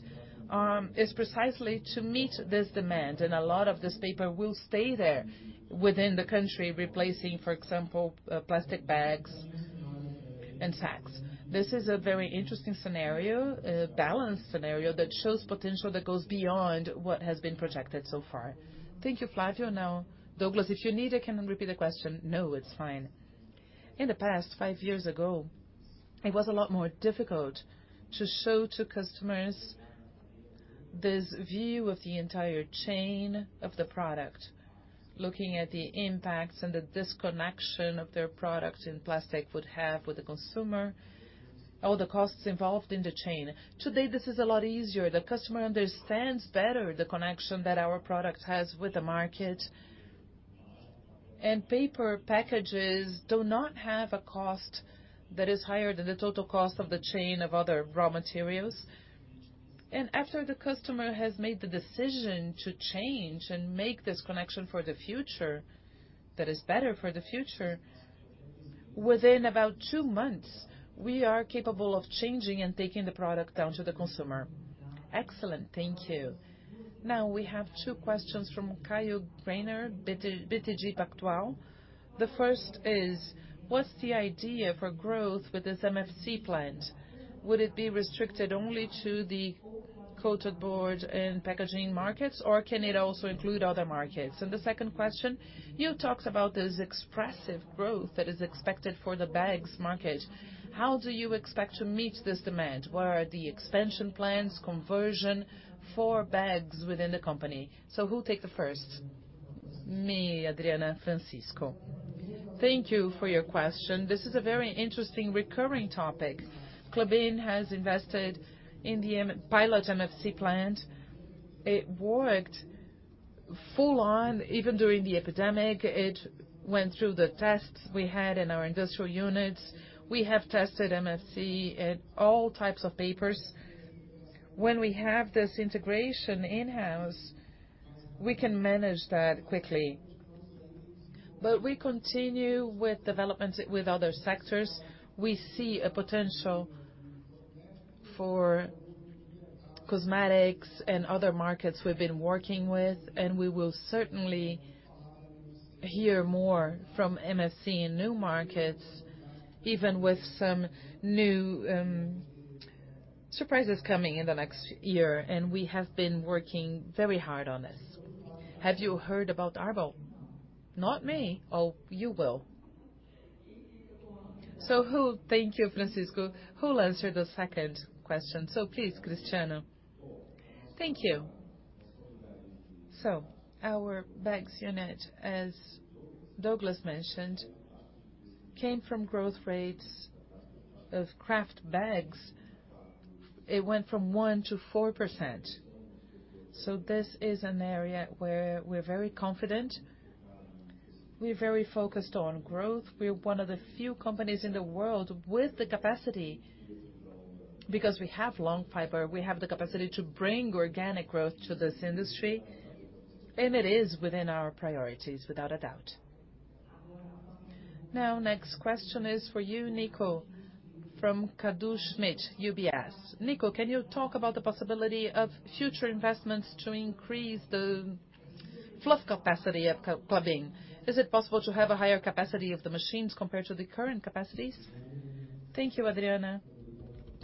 Speaker 4: is precisely to meet this demand. A lot of this paper will stay there within the country, replacing, for example, plastic bags and sacks. This is a very interesting scenario, a balanced scenario that shows potential that goes beyond what has been projected so far.
Speaker 1: Thank you, Flávio. Now, Douglas, if you need, I can repeat the question.
Speaker 5: No, it's fine. In the past, five years ago, it was a lot more difficult to show to customers this view of the entire chain of the product, looking at the impacts and the disconnection of their products in plastic would have with the consumer, all the costs involved in the chain. Today, this is a lot easier. The customer understands better the connection that our product has with the market. Paper packages do not have a cost that is higher than the total cost of the chain of other raw materials. After the customer has made the decision to change and make this connection for the future, that is better for the future. Within about two months, we are capable of changing and taking the product down to the consumer.
Speaker 1: Excellent. Thank you. Now we have two questions from Caio Greiner, BTG Pactual. The first is, what's the idea for growth with this MFC plant? Would it be restricted only to the coated board and packaging markets, or can it also include other markets? The second question, you talked about this expressive growth that is expected for the bags market. How do you expect to meet this demand? Where are the expansion plans, conversion for bags within the company? So who'll take the first?
Speaker 6: Me, Adriana. Francisco. Thank you for your question. This is a very interesting recurring topic. Klabin has invested in the pilot MFC plant. It worked full on even during the pandemic. It went through the tests we had in our industrial units. We have tested MFC at all types of papers. When we have this integration in-house, we can manage that quickly. We continue with development with other sectors. We see a potential for cosmetics and other markets we've been working with, and we will certainly hear more from MFC in new markets, even with some new surprises coming in the next year, and we have been working very hard on this.
Speaker 1: Have you heard about ARBO?
Speaker 6: Not me.
Speaker 1: Oh, you will. Thank you, Francisco. Who will answer the second question? Please, Cristiano.
Speaker 2: Thank you. Our bags unit, as Douglas mentioned, came from growth rates of kraft bags. It went from 1%-4%. This is an area where we're very confident. We're very focused on growth. We're one of the few companies in the world with the capacity. Because we have long fiber, we have the capacity to bring organic growth to this industry, and it is within our priorities, without a doubt.
Speaker 1: Now, next question is for you, Nico, from Cadu Schmidt, UBS. Nico, can you talk about the possibility of future investments to increase the fluff capacity of Klabin? Is it possible to have a higher capacity of the machines compared to the current capacities?
Speaker 3: Thank you, Adriana.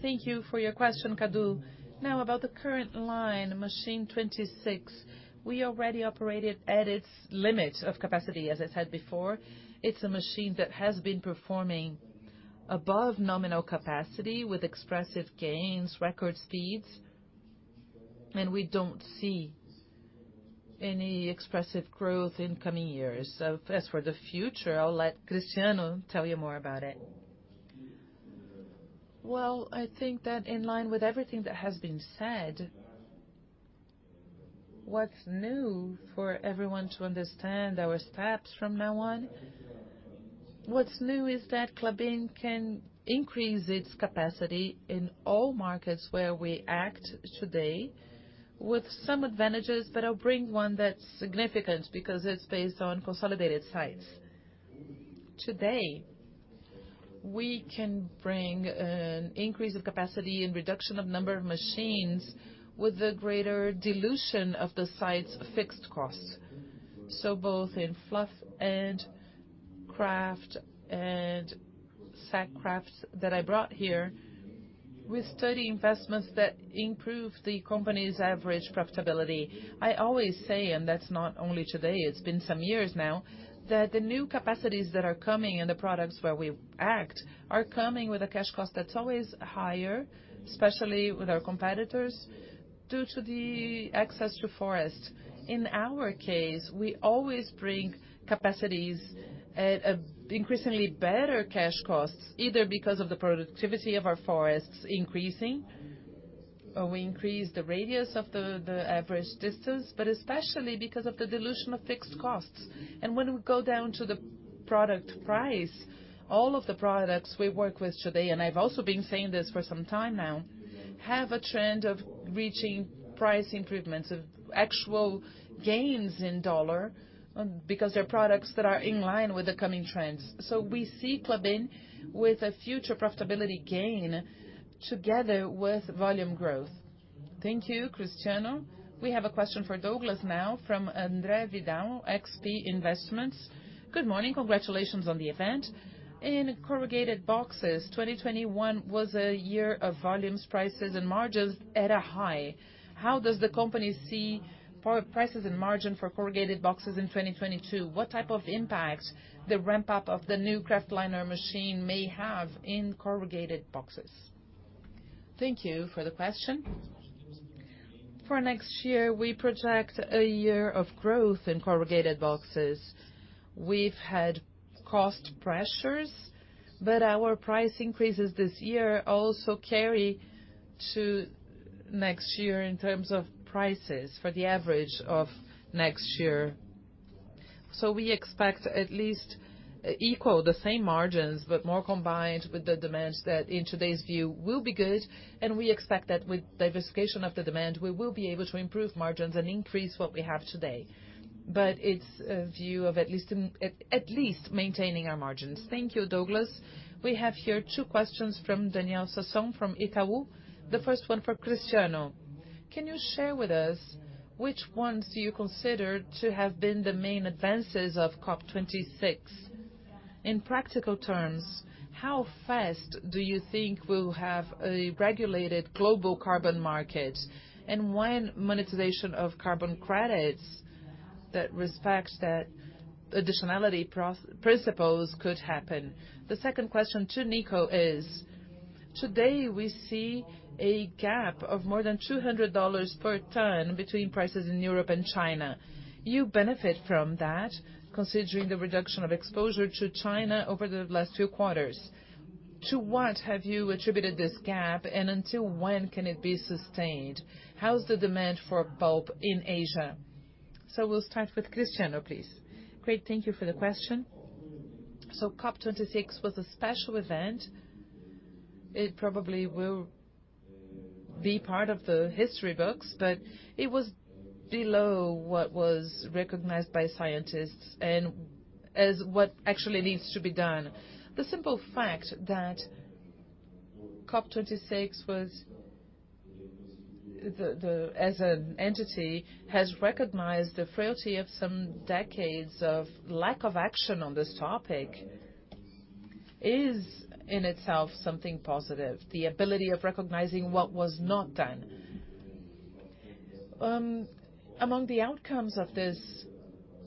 Speaker 3: Thank you for your question, Cadu. Now, about the current line, Machine 26, we already operate it at its limits of capacity, as I said before. It's a machine that has been performing above nominal capacity with expressive gains, record speeds, and we don't see any expressive growth in coming years. As for the future, I'll let Cristiano tell you more about it.
Speaker 2: Well, I think that in line with everything that has been said, what's new for everyone to understand our steps from now on, what's new is that Klabin can increase its capacity in all markets where we act today with some advantages, but I'll bring one that's significant because it's based on consolidated sites. Today, we can bring an increase of capacity and reduction of number of machines with a greater dilution of the site's fixed costs. Both in fluff and kraft and sack kraft that I brought here, we study investments that improve the company's average profitability. I always say, and that's not only today, it's been some years now, that the new capacities that are coming and the products where we act are coming with a cash cost that's always higher, especially with our competitors, due to the access to forest. In our case, we always bring capacities at increasingly better cash costs, either because of the productivity of our forests increasing or we increase the radius of the average distance, but especially because of the dilution of fixed costs. When we go down to the product price, all of the products we work with today, and I've also been saying this for some time now, have a trend of reaching price improvements, of actual gains in dollar because they're products that are in line with the coming trends. We see Klabin with a future profitability gain together with volume growth.
Speaker 1: Thank you, Cristiano. We have a question for Douglas now from André Vidal, XP Investimentos. Good morning. Congratulations on the event. In corrugated boxes, 2021 was a year of volumes, prices, and margins at a high. How does the company see prices and margin for corrugated boxes in 2022? What type of impact the ramp-up of the new kraft liner machine may have in corrugated boxes?
Speaker 5: Thank you for the question. For next year, we project a year of growth in corrugated boxes. We've had cost pressures, but our price increases this year also carry to next year in terms of prices for the average of next year. So we expect at least equal the same margins, but more combined with the demands that in today's view will be good, and we expect that with diversification of the demand, we will be able to improve margins and increase what we have today. It's a view of at least maintaining our margins.
Speaker 1: Thank you, Douglas. We have here two questions from Daniel Sasson from Itaú. The first one for Cristiano. Can you share with us which ones do you consider to have been the main advances of COP26? In practical terms, how fast do you think we'll have a regulated global carbon market? And when monetization of carbon credits that respects that additionality principles could happen? The second question to Nico is, today, we see a gap of more than $200 per ton between prices in Europe and China. You benefit from that considering the reduction of exposure to China over the last few quarters. To what have you attributed this gap, and until when can it be sustained? How's the demand for pulp in Asia? We'll start with Cristiano, please.
Speaker 2: Great. Thank you for the question. COP26 was a special event. It probably will be part of the history books, but it was below what was recognized by scientists and as what actually needs to be done. The simple fact that COP26, as an entity, has recognized the frailty of some decades of lack of action on this topic is, in itself, something positive, the ability of recognizing what was not done. Among the outcomes of this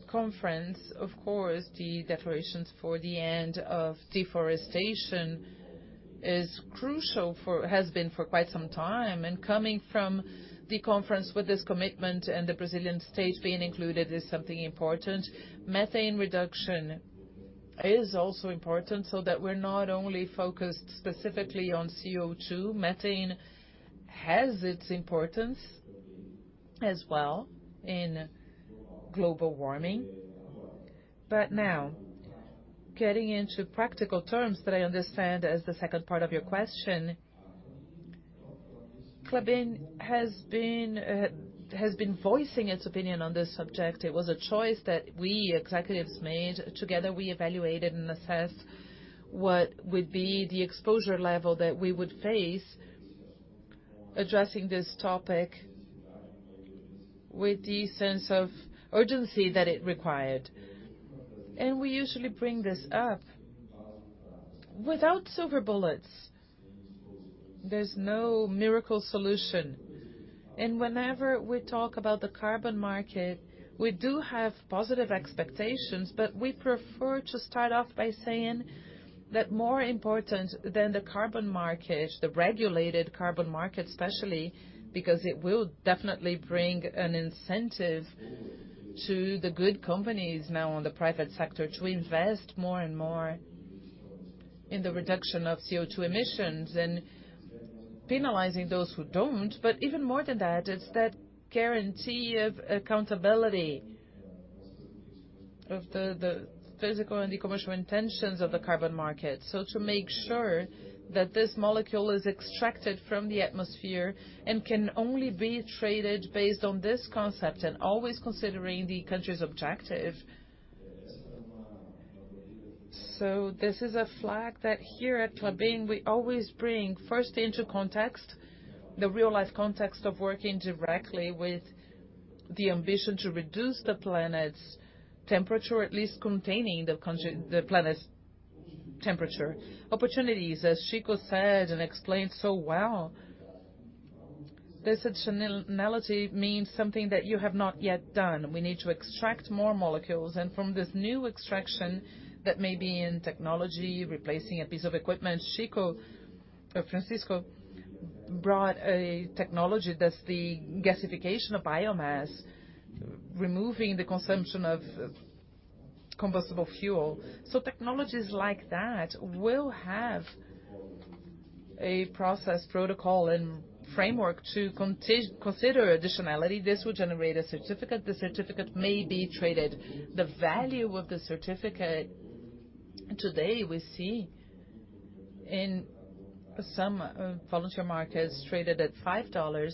Speaker 2: conference, of course, the declarations for the end of deforestation is crucial, has been for quite some time. Coming from the conference with this commitment and the Brazilian state being included is something important. Methane reduction is also important so that we're not only focused specifically on CO2. Methane has its importance as well in global warming. Now getting into practical terms that I understand as the second part of your question, Klabin has been voicing its opinion on this subject. It was a choice that we executives made. Together, we evaluated and assessed what would be the exposure level that we would face addressing this topic with the sense of urgency that it required. We usually bring this up without silver bullets. There's no miracle solution. Whenever we talk about the carbon market, we do have positive expectations, but we prefer to start off by saying that more important than the carbon market, the regulated carbon market, especially because it will definitely bring an incentive to the good companies now in the private sector to invest more and more in the reduction of CO2 emissions and penalizing those who don't. Even more than that, it's that guarantee of accountability of the physical and e-commercial intentions of the carbon market. To make sure that this molecule is extracted from the atmosphere and can only be traded based on this concept and always considering the country's objective. This is a flag that here at Klabin, we always bring first into context, the real-life context of working directly with the ambition to reduce the planet's temperature, at least containing the planet's temperature. Opportunities, as Chico said and explained so well, this additionality means something that you have not yet done. We need to extract more molecules. From this new extraction that may be in technology, replacing a piece of equipment, Chico or Francisco brought a technology that's the gasification of biomass, removing the consumption of combustible fuel. Technologies like that will have a process protocol and framework to consider additionality. This will generate a certificate. The certificate may be traded. The value of the certificate today we see in some voluntary markets traded at $5,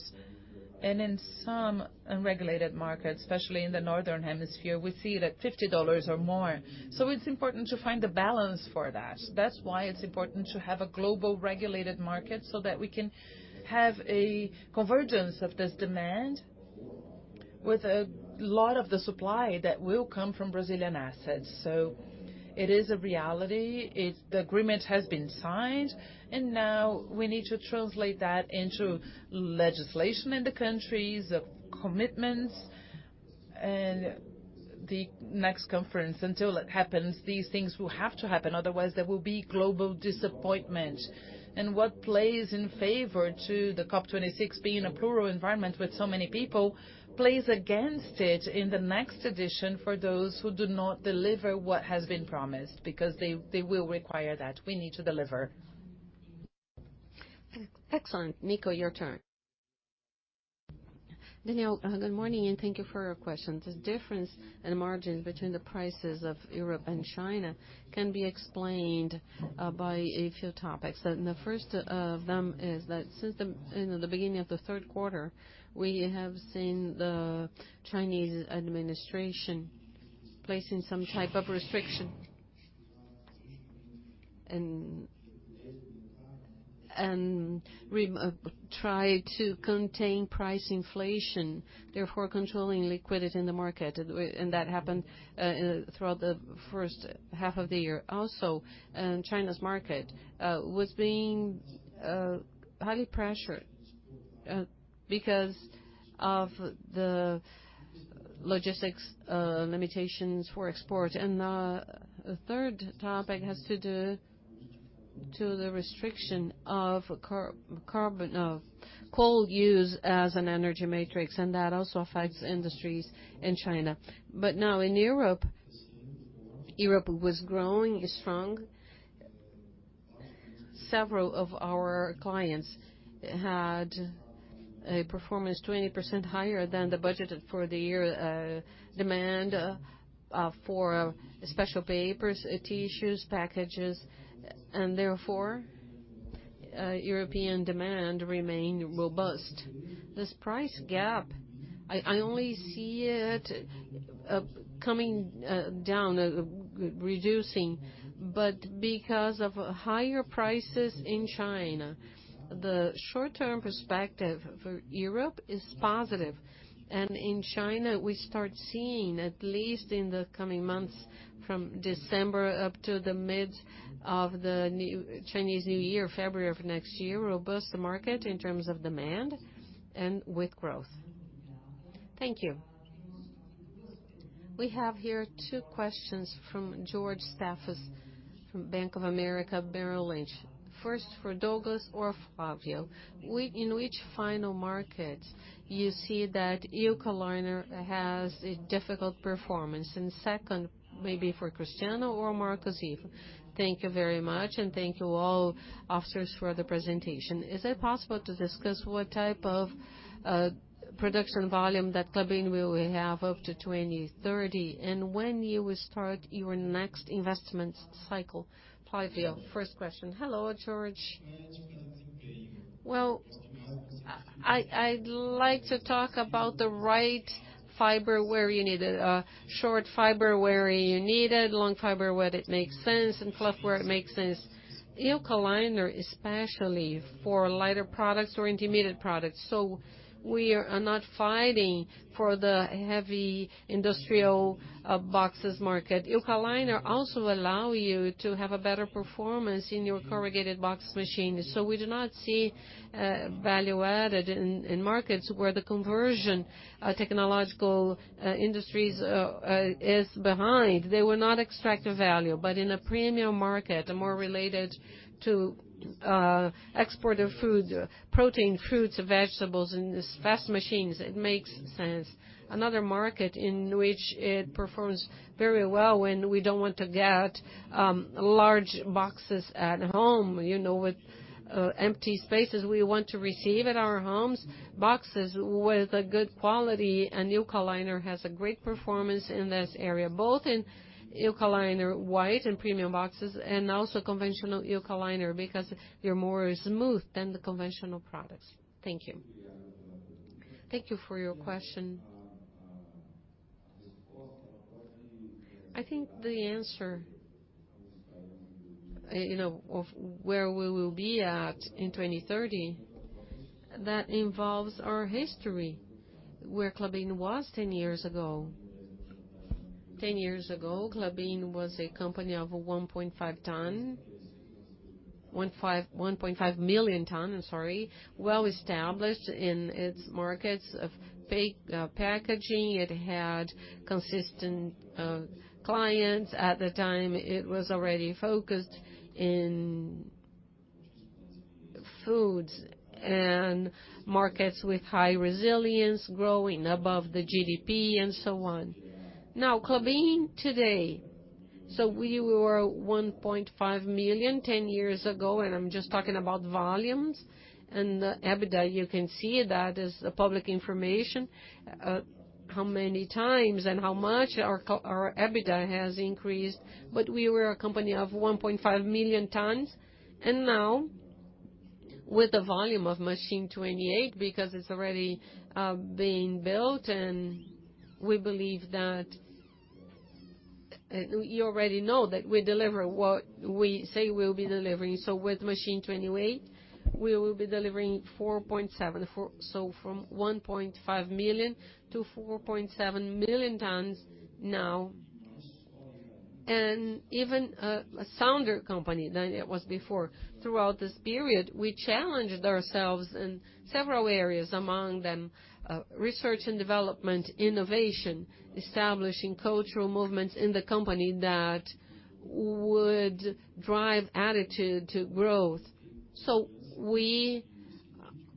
Speaker 2: and in some unregulated markets, especially in the northern hemisphere, we see it at $50 or more. It's important to find the balance for that. That's why it's important to have a global regulated market so that we can have a convergence of this demand with a lot of the supply that will come from Brazilian assets. It is a reality. The agreement has been signed, and now we need to translate that into legislation in the countries, the commitments, and the next conference. Until it happens, these things will have to happen. Otherwise, there will be global disappointment. What plays in favor to the COP26 being a plural environment with so many people plays against it in the next edition for those who do not deliver what has been promised because they will require that. We need to deliver.
Speaker 1: Excellent. Nico, your turn.
Speaker 3: Daniel, good morning, and thank you for your question. The difference in margin between the prices of Europe and China can be explained by a few topics. The first of them is that since the, you know, the beginning of the third quarter, we have seen the Chinese administration placing some type of restriction and try to contain price inflation, therefore controlling liquidity in the market. That happened throughout the first half of the year. Also, China's market was being highly pressured because of the logistics limitations for export. The third topic has to do with the restriction of coal use as an energy matrix, and that also affects industries in China. Now in Europe was growing strong. Several of our clients had a performance 20% higher than the budgeted for the year, demand for special papers, tissues, packages, and therefore, European demand remained robust. This price gap, I only see it coming down, reducing, but because of higher prices in China. The short-term perspective for Europe is positive. In China, we start seeing, at least in the coming months, from December up to the mid of the Chinese New Year, February of next year, robust market in terms of demand and with growth.
Speaker 1: Thank you. We have here two questions from George Staphos from Bank of America Merrill Lynch. First, for Douglas or Flavio, in which final market you see that eucalypt has a difficult performance? And second, maybe for Cristiano or Marcos, thank you very much, and thank you all officers for the presentation. Is it possible to discuss what type of production volume that Klabin will have up to 2030, and when you will start your next investment cycle? Flavio, first question.
Speaker 4: Hello, George. Well, I'd like to talk about the right fiber where you need it, short fiber where you need it, long fiber where it makes sense, and fluff where it makes sense. Eucalyptus, especially for lighter products or intermediate products. We are not fighting for the heavy industrial boxes market. Eucalyptus also allow you to have a better performance in your corrugated box machine. We do not see value added in markets where the conversion technological industries is behind. They will not extract the value. In a premium market, more related to export of food, protein, fruits, vegetables, and these fast machines, it makes sense. Another market in which it performs very well when we don't want to get large boxes at home, you know, with empty spaces we want to receive at our homes, boxes with a good quality and eucalypt has a great performance in this area, both in eucalypt white and premium boxes, and also conventional eucalypt, because they're more smooth than the conventional products. Thank you.
Speaker 2: Thank you for your question. I think the answer, you know, of where we will be at in 2030, that involves our history, where Klabin was ten years ago. Ten years ago, Klabin was a company of 1.5 million tons. I'm sorry, well-established in its markets of packaging. It had consistent clients. At the time, it was already focused in foods and markets with high resilience, growing above the GDP, and so on. Now, Klabin today. We were 1.5 million 10 years ago, and I'm just talking about volumes. The EBITDA, you can see that is public information, how many times and how much our EBITDA has increased. We were a company of 1.5 million tons, and now with the volume of Machine 28, because it's already being built, and we believe that. You already know that we deliver what we say we'll be delivering. With Machine 28, we will be delivering 4.7 million. From 1.5 million to 4.7 million tons now, and even a sounder company than it was before. Throughout this period, we challenged ourselves in several areas, among them, research and development, innovation, establishing cultural movements in the company that would drive attitude to growth. We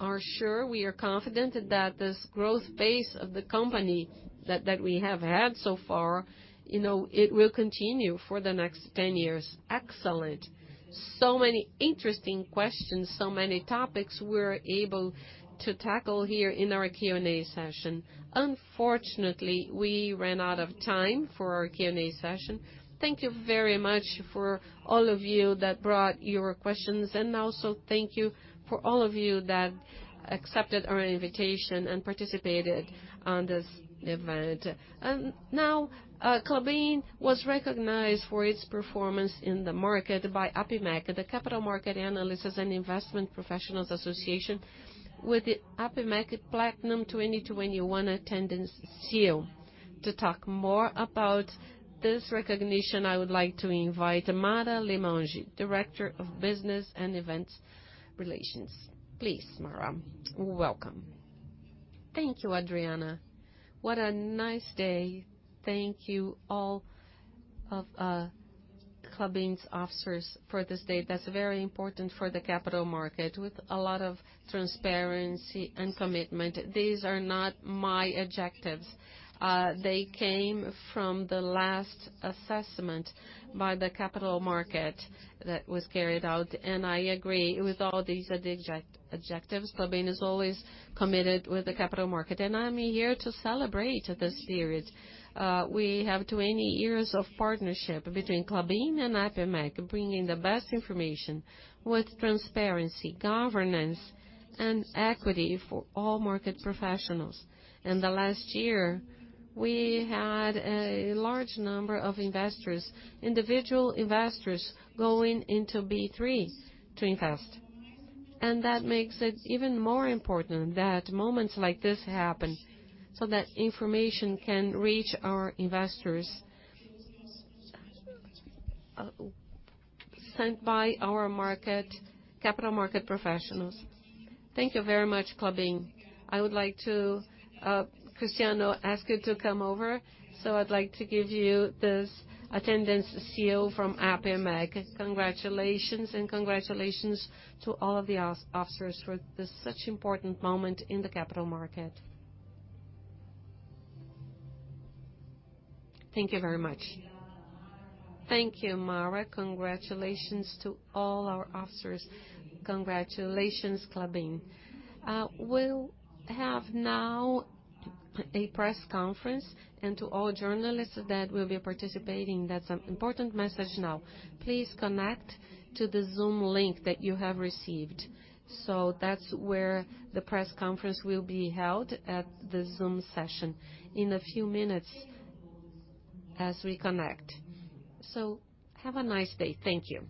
Speaker 2: are sure we are confident that this growth pace of the company that we have had so far, you know, it will continue for the next 10 years.
Speaker 1: Excellent. Many interesting questions, so many topics we're able to tackle here in our Q&A session. Unfortunately, we ran out of time for our Q&A session. Thank you very much for all of you that brought your questions, and also thank you for all of you that accepted our invitation and participated on this event. Now, Klabin was recognized for its performance in the market by APIMEC, the Capital Market Analysts and Investment Professionals Association, with the APIMEC Platina 2020-2021 Attendance Seal. To talk more about this recognition, I would like to invite Mara Limonge, Director of Business and Events Relations. Please, Mara.
Speaker 9: Welcome. Thank you, Adriana. Thank you all of Klabin's officers for this day that's very important for the capital market, with a lot of transparency and commitment. These are not my adjectives, they came from the last assessment by the capital market that was carried out. I agree with all these adjectives. Klabin is always committed with the capital market. I'm here to celebrate this period. We have 20 years of partnership between Klabin and APIMEC, bringing the best information with transparency, governance, and equity for all market professionals. In the last year, we had a large number of investors, individual investors, going into B3 to invest. That makes it even more important that moments like this happen so that information can reach our investors, sent by our capital market professionals. Thank you very much, Klabin. I would like to, Cristiano, ask you to come over. I'd like to give you this Attendance Seal from APIMEC. Congratulations, and congratulations to all of the officers for this such important moment in the capital market. Thank you very much.
Speaker 1: Thank you, Mara. Congratulations to all our officers. Congratulations, Klabin. We'll have now a press conference, and to all journalists that will be participating, that's an important message now. Please connect to the Zoom link that you have received. That's where the press conference will be held at the Zoom session in a few minutes as we connect. Have a nice day. Thank you.